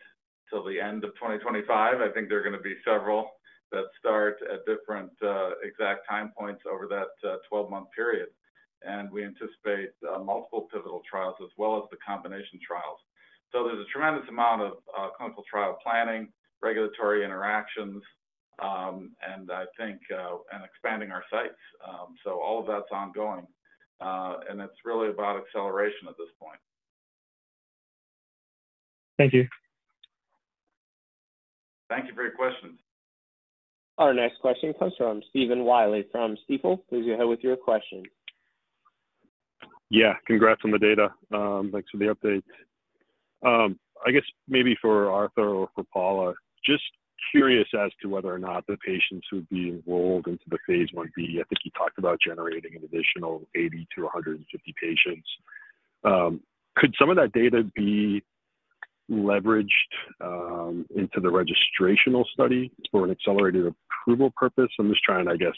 till the end of 2025. I think there are going to be several that start at different exact time points over that 12-month period. And we anticipate multiple pivotal trials as well as the combination trials. So there's a tremendous amount of clinical trial planning, regulatory interactions, and I think expanding our sites. So all of that's ongoing. It's really about acceleration at this point. Thank you. Thank you for your questions. Our next question comes from Stephen Willey from Stifel. Please go ahead with your question. Yeah. Congrats on the data. Thanks for the update. I guess maybe for Arthur or for Paula, just curious as to whether or not the patients who would be enrolled into the phase I-B, I think you talked about generating an additional 80-150 patients. Could some of that data be leveraged into the registrational study for an accelerated approval purpose? I'm just trying, I guess,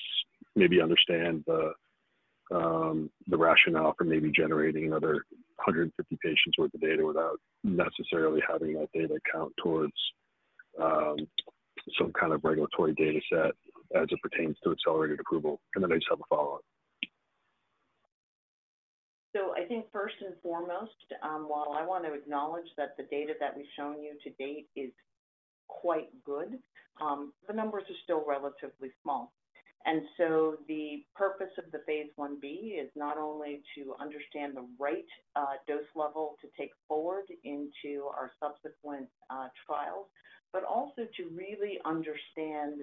maybe to understand the rationale for maybe generating another 150 patients' worth of data without necessarily having that data count towards some kind of regulatory data set as it pertains to accelerated approval. And then I just have a follow-up. So I think first and foremost, while I want to acknowledge that the data that we've shown you to date is quite good, the numbers are still relatively small. And so the purpose of the phase I-B is not only to understand the right dose level to take forward into our subsequent trials, but also to really understand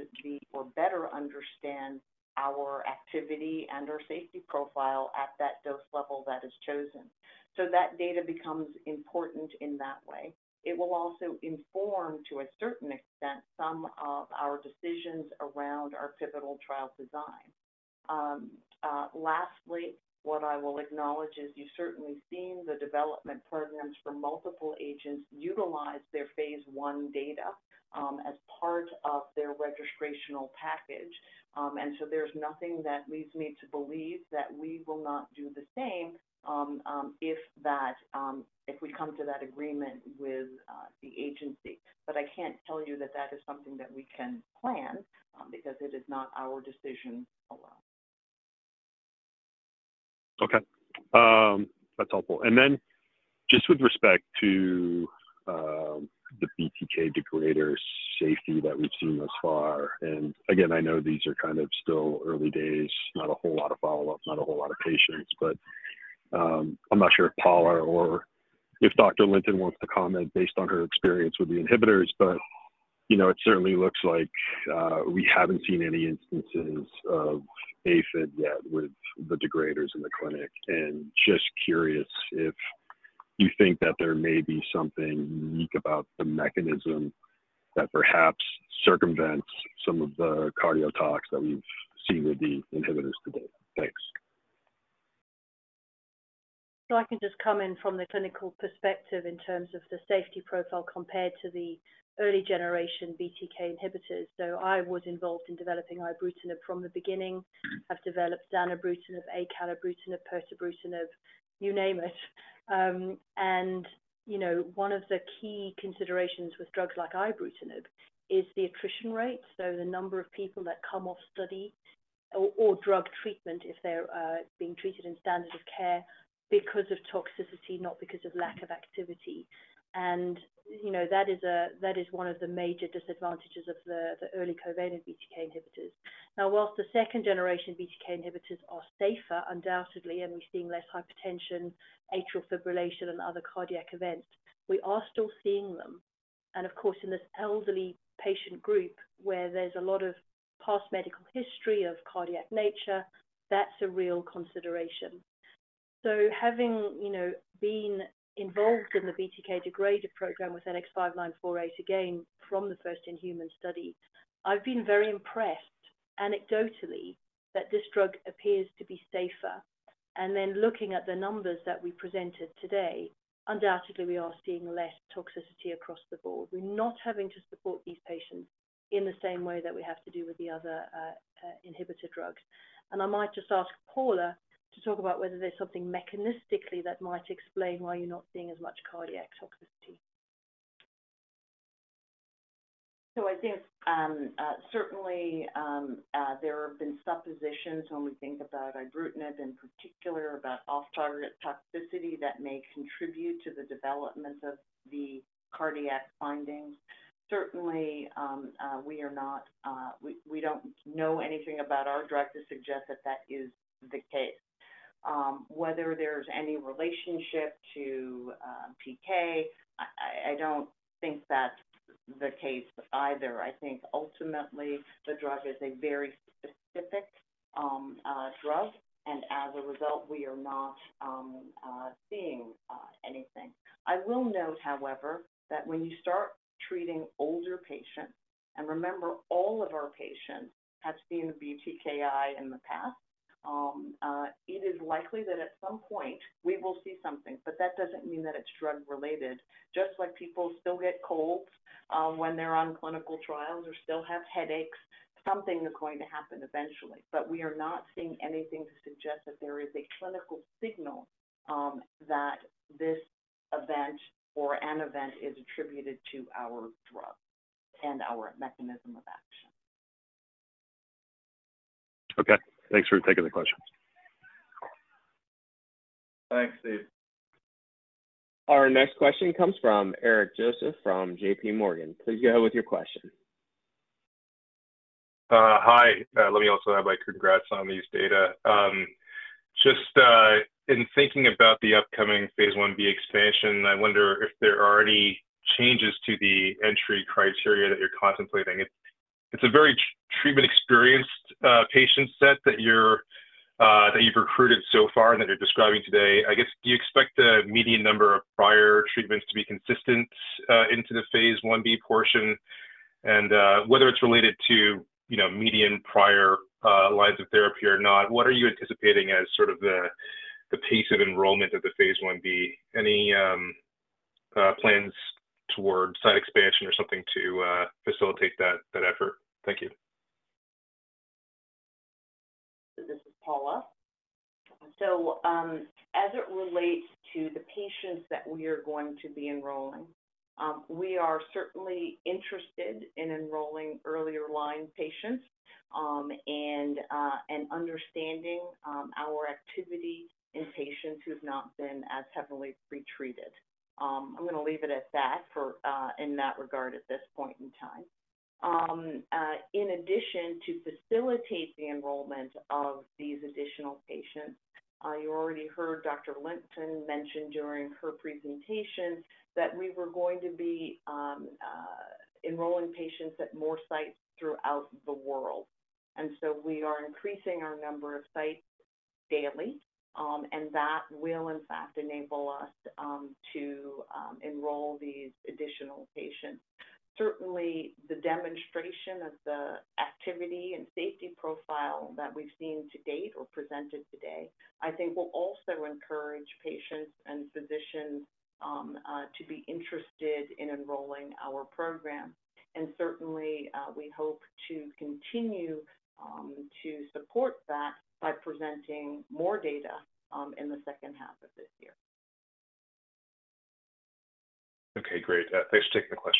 or better understand our activity and our safety profile at that dose level that is chosen. So that data becomes important in that way. It will also inform, to a certain extent, some of our decisions around our pivotal trial design. Lastly, what I will acknowledge is you've certainly seen the development programs for multiple agents utilize their phase I data as part of their registrational package. And so there's nothing that leads me to believe that we will not do the same if we come to that agreement with the agency. But I can't tell you that is something that we can plan because it is not our decision alone. Okay. That's helpful. And then just with respect to the BTK degraders safety that we've seen thus far, and again, I know these are kind of still early days, not a whole lot of follow-up, not a whole lot of patients, but I'm not sure if Paula or if Dr. Linton wants to comment based on her experience with the inhibitors, but it certainly looks like we haven't seen any instances of AFib yet with the degraders in the clinic. And just curious if you think that there may be something unique about the mechanism that perhaps circumvents some of the cardiotoxicities that we've seen with the inhibitors today? Thanks. So I can just come in from the clinical perspective in terms of the safety profile compared to the early-generation BTK inhibitors. So I was involved in developing ibrutinib from the beginning. I've developed zanubrutinib, acalabrutinib, pirtobrutinib, you name it. And one of the key considerations with drugs like ibrutinib is the attrition rate, so the number of people that come off study or drug treatment if they're being treated in standard of care because of toxicity, not because of lack of activity. And that is one of the major disadvantages of the early covalent BTK inhibitors. Now, while the second-generation BTK inhibitors are safer, undoubtedly, and we're seeing less hypertension, atrial fibrillation, and other cardiac events, we are still seeing them. And of course, in this elderly patient group where there's a lot of past medical history of cardiac nature, that's a real consideration. So having been involved in the BTK degrader program with NX-5948, again, from the first-in-human study, I've been very impressed anecdotally that this drug appears to be safer. And then looking at the numbers that we presented today, undoubtedly, we are seeing less toxicity across the board. We're not having to support these patients in the same way that we have to do with the other inhibitor drugs. And I might just ask Paula to talk about whether there's something mechanistically that might explain why you're not seeing as much cardiac toxicity. So I think certainly there have been suppositions when we think about ibrutinib in particular about off-target toxicity that may contribute to the development of the cardiac findings. Certainly, we are not; we don't know anything about our drug to suggest that that is the case. Whether there's any relationship to PK, I don't think that's the case either. I think ultimately the drug is a very specific drug, and as a result, we are not seeing anything. I will note, however, that when you start treating older patients. And remember, all of our patients have seen BTKI in the past. It is likely that at some point we will see something, but that doesn't mean that it's drug-related. Just like people still get colds when they're on clinical trials or still have headaches, something is going to happen eventually. But we are not seeing anything to suggest that there is a clinical signal that this event or an event is attributed to our drug and our mechanism of action. Okay. Thanks for taking the question. Thanks, Steve. Our next question comes from Eric Joseph from JPMorgan. Please go ahead with your question. Hi. Let me also have my congrats on these data. Just in thinking about the upcoming phase I-B expansion, I wonder if there are any changes to the entry criteria that you're contemplating. It's a very treatment-experienced patient set that you've recruited so far and that you're describing today. I guess, do you expect the median number of prior treatments to be consistent into the phase I-B portion? And whether it's related to median prior lines of therapy or not, what are you anticipating as sort of the pace of enrollment of the phase I-B? Any plans toward site expansion or something to facilitate that effort? Thank you. This is Paula. So as it relates to the patients that we are going to be enrolling, we are certainly interested in enrolling earlier line patients and understanding our activity in patients who have not been as heavily pretreated. I'm going to leave it at that in that regard at this point in time. In addition to facilitate the enrollment of these additional patients, you already heard Dr. Linton mention during her presentation that we were going to be enrolling patients at more sites throughout the world. And so we are increasing our number of sites daily, and that will, in fact, enable us to enroll these additional patients. Certainly, the demonstration of the activity and safety profile that we've seen to date or presented today, I think, will also encourage patients and physicians to be interested in enrolling our program. Certainly, we hope to continue to support that by presenting more data in the second half of this year. Okay. Great. Thanks for taking the question.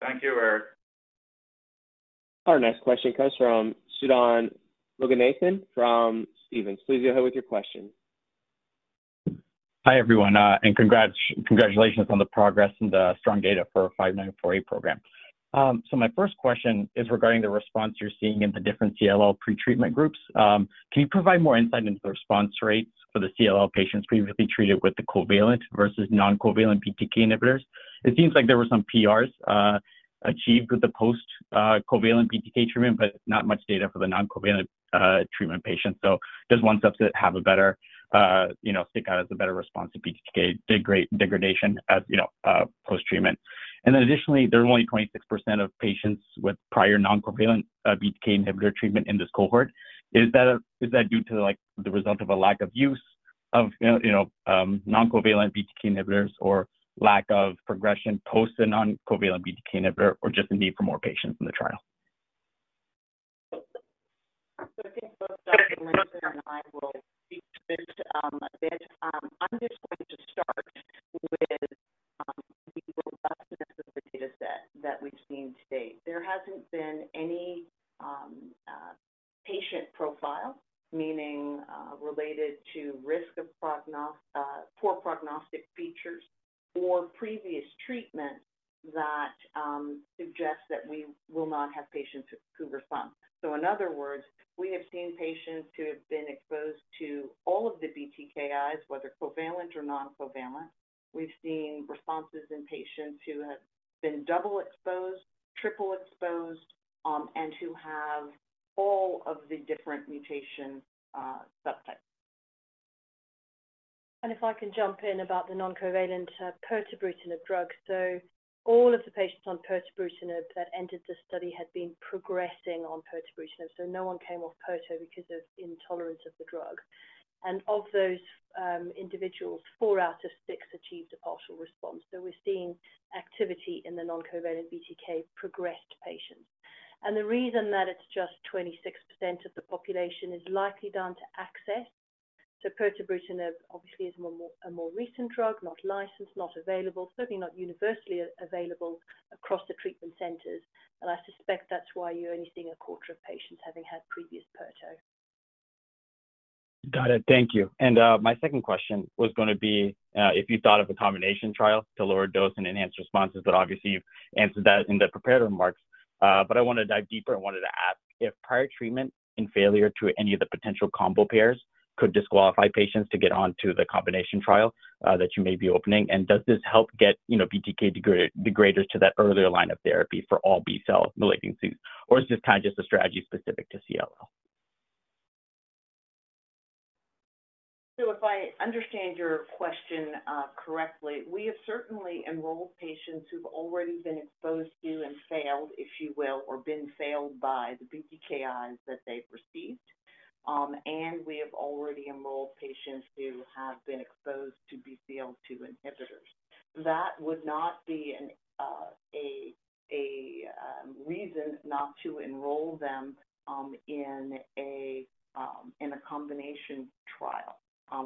Thank you, Eric. Our next question comes from Sudan Loganathan from Stephens. Please go ahead with your question. Hi everyone, and congratulations on the progress and the strong data for our 5948 program. So my first question is regarding the response you're seeing in the different CLL pretreatment groups. Can you provide more insight into the response rates for the CLL patients previously treated with the covalent versus non-covalent BTK inhibitors? It seems like there were some PRs achieved with the post-covalent BTK treatment, but not much data for the non-covalent treatment patients. So does one subset stand out as a better response to BTK degradation as post-treatment? And then additionally, there are only 26% of patients with prior non-covalent BTK inhibitor treatment in this cohort. Is that due to the result of a lack of use of non-covalent BTK inhibitors or lack of progression post a non-covalent BTK inhibitor, or just the need for more patients in the trial? So I think both Dr. Linton and I will speak to this a bit. I'm just going to start with the robustness of the data set that we've seen to date. There hasn't been any patient profile, meaning related to poor prognostic features or previous treatment that suggests that we will not have patients who respond. So in other words, we have seen patients who have been exposed to all of the BTKIs, whether covalent or non-covalent. We've seen responses in patients who have been double-exposed, triple-exposed, and who have all of the different mutation subtypes. If I can jump in about the non-covalent pirtobrutinib drug, all of the patients on pirtobrutinib that entered the study had been progressing on pirtobrutinib. No one came off pirto because of intolerance of the drug. And of those individuals, four out of six achieved a partial response. We've seen activity in the non-covalent BTK progressed patients. And the reason that it's just 26% of the population is likely down to access. Pirtobrutinib obviously is a more recent drug, not licensed, not available, certainly not universally available across the treatment centers. And I suspect that's why you're only seeing a quarter of patients having had previous pirto. Got it. Thank you. And my second question was going to be if you thought of a combination trial to lower dose and enhance responses, but obviously you've answered that in the preparatory remarks. But I wanted to dive deeper and wanted to ask if prior treatment and failure to any of the potential combo pairs could disqualify patients to get onto the combination trial that you may be opening. And does this help get BTK degraders to that earlier line of therapy for all B-cell malignancies? Or is this kind of just a strategy specific to CLL? So if I understand your question correctly, we have certainly enrolled patients who've already been exposed to and failed, if you will, or been failed by the BTKIs that they've received. And we have already enrolled patients who have been exposed to BCL-2 inhibitors. That would not be a reason not to enroll them in a combination trial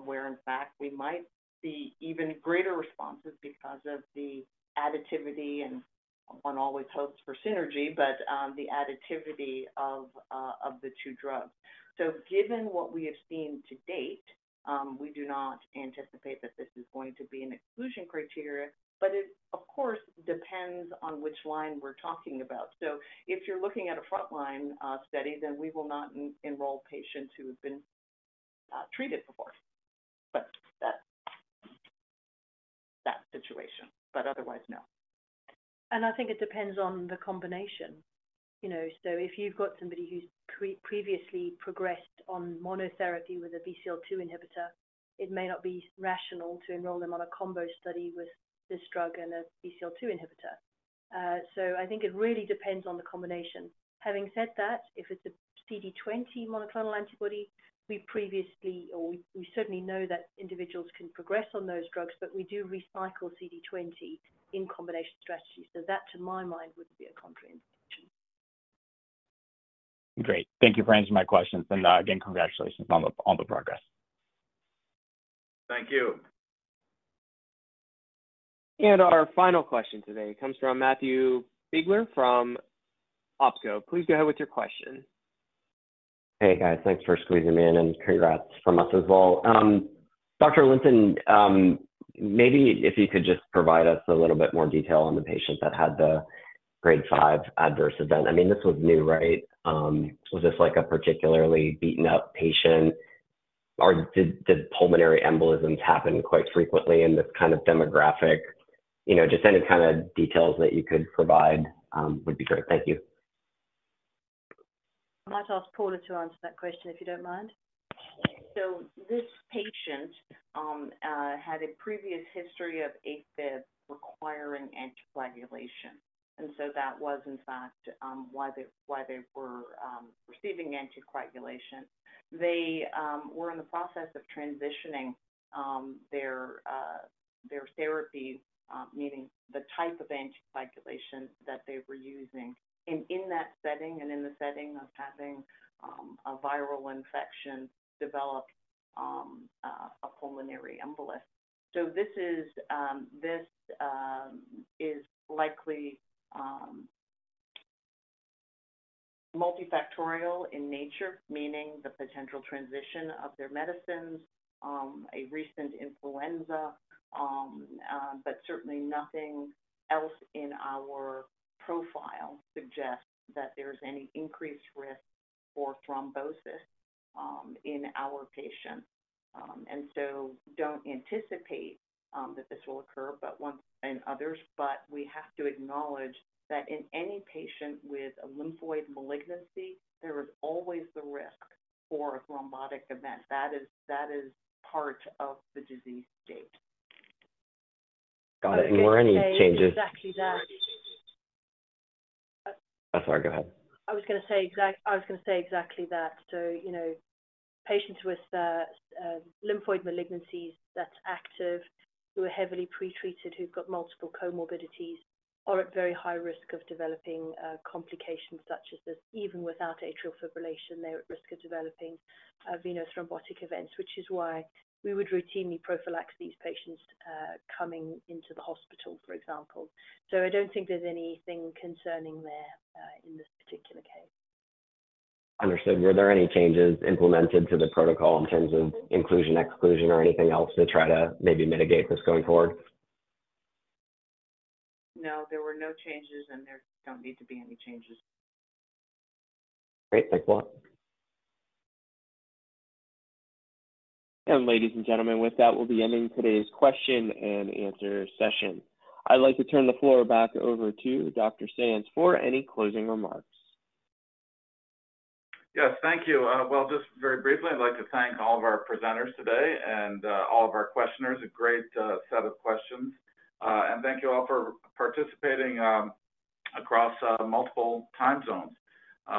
where, in fact, we might see even greater responses because of the additivity and one always hopes for synergy, but the additivity of the two drugs. So given what we have seen to date, we do not anticipate that this is going to be an exclusion criteria, but it, of course, depends on which line we're talking about. So if you're looking at a frontline study, then we will not enroll patients who have been treated before. That situation. But otherwise, no. And I think it depends on the combination. So if you've got somebody who's previously progressed on monotherapy with a BCL-2 inhibitor, it may not be rational to enroll them on a combo study with this drug and a BCL-2 inhibitor. So I think it really depends on the combination. Having said that, if it's a CD20 monoclonal antibody, we previously or we certainly know that individuals can progress on those drugs, but we do recycle CD20 in combination strategies. So that, to my mind, wouldn't be a contraindication. Great. Thank you for answering my questions. And again, congratulations on the progress. Thank you. Our final question today comes from Matthew Biegler from Oppenheimer and Co. Please go ahead with your question. Hey, guys. Thanks for squeezing me in. Congrats from us as well. Dr. Linton, maybe if you could just provide us a little bit more detail on the patient that had the Grade 5 adverse event. I mean, this was new, right? Was this a particularly beaten-up patient? Or did pulmonary embolisms happen quite frequently in this kind of demographic? Just any kind of details that you could provide would be great. Thank you. I might ask Paula to answer that question if you don't mind. So this patient had a previous history of AFib requiring anticoagulation. And so that was, in fact, why they were receiving anticoagulation. They were in the process of transitioning their therapy, meaning the type of anticoagulation that they were using, in that setting and in the setting of having a viral infection develop a pulmonary embolus. So this is likely multifactorial in nature, meaning the potential transition of their medicines, a recent influenza, but certainly nothing else in our profile suggests that there is any increased risk for thrombosis in our patients. And so don't anticipate that this will occur in others, but we have to acknowledge that in any patient with a lymphoid malignancy, there is always the risk for a thrombotic event. That is part of the disease state. Got it. Were any changes? Exactly that. I'm sorry. Go ahead. I was going to say exactly I was going to say exactly that. So patients with lymphoid malignancies that's active, who are heavily pretreated, who've got multiple comorbidities, are at very high risk of developing complications such as this. Even without atrial fibrillation, they're at risk of developing venous thrombotic events, which is why we would routinely prophylax these patients coming into the hospital, for example. So I don't think there's anything concerning there in this particular case. Understood. Were there any changes implemented to the protocol in terms of inclusion, exclusion, or anything else to try to maybe mitigate this going forward? No. There were no changes, and there don't need to be any changes. Great. Thanks a lot. Ladies and gentlemen, with that, we'll be ending today's question-and-answer session. I'd like to turn the floor back over to Dr. Sands for any closing remarks. Yes. Thank you. Well, just very briefly, I'd like to thank all of our presenters today and all of our questioners. A great set of questions. Thank you all for participating across multiple time zones.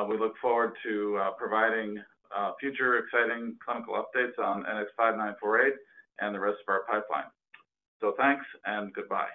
We look forward to providing future exciting clinical updates on NX-5948 and the rest of our pipeline. Thanks and goodbye.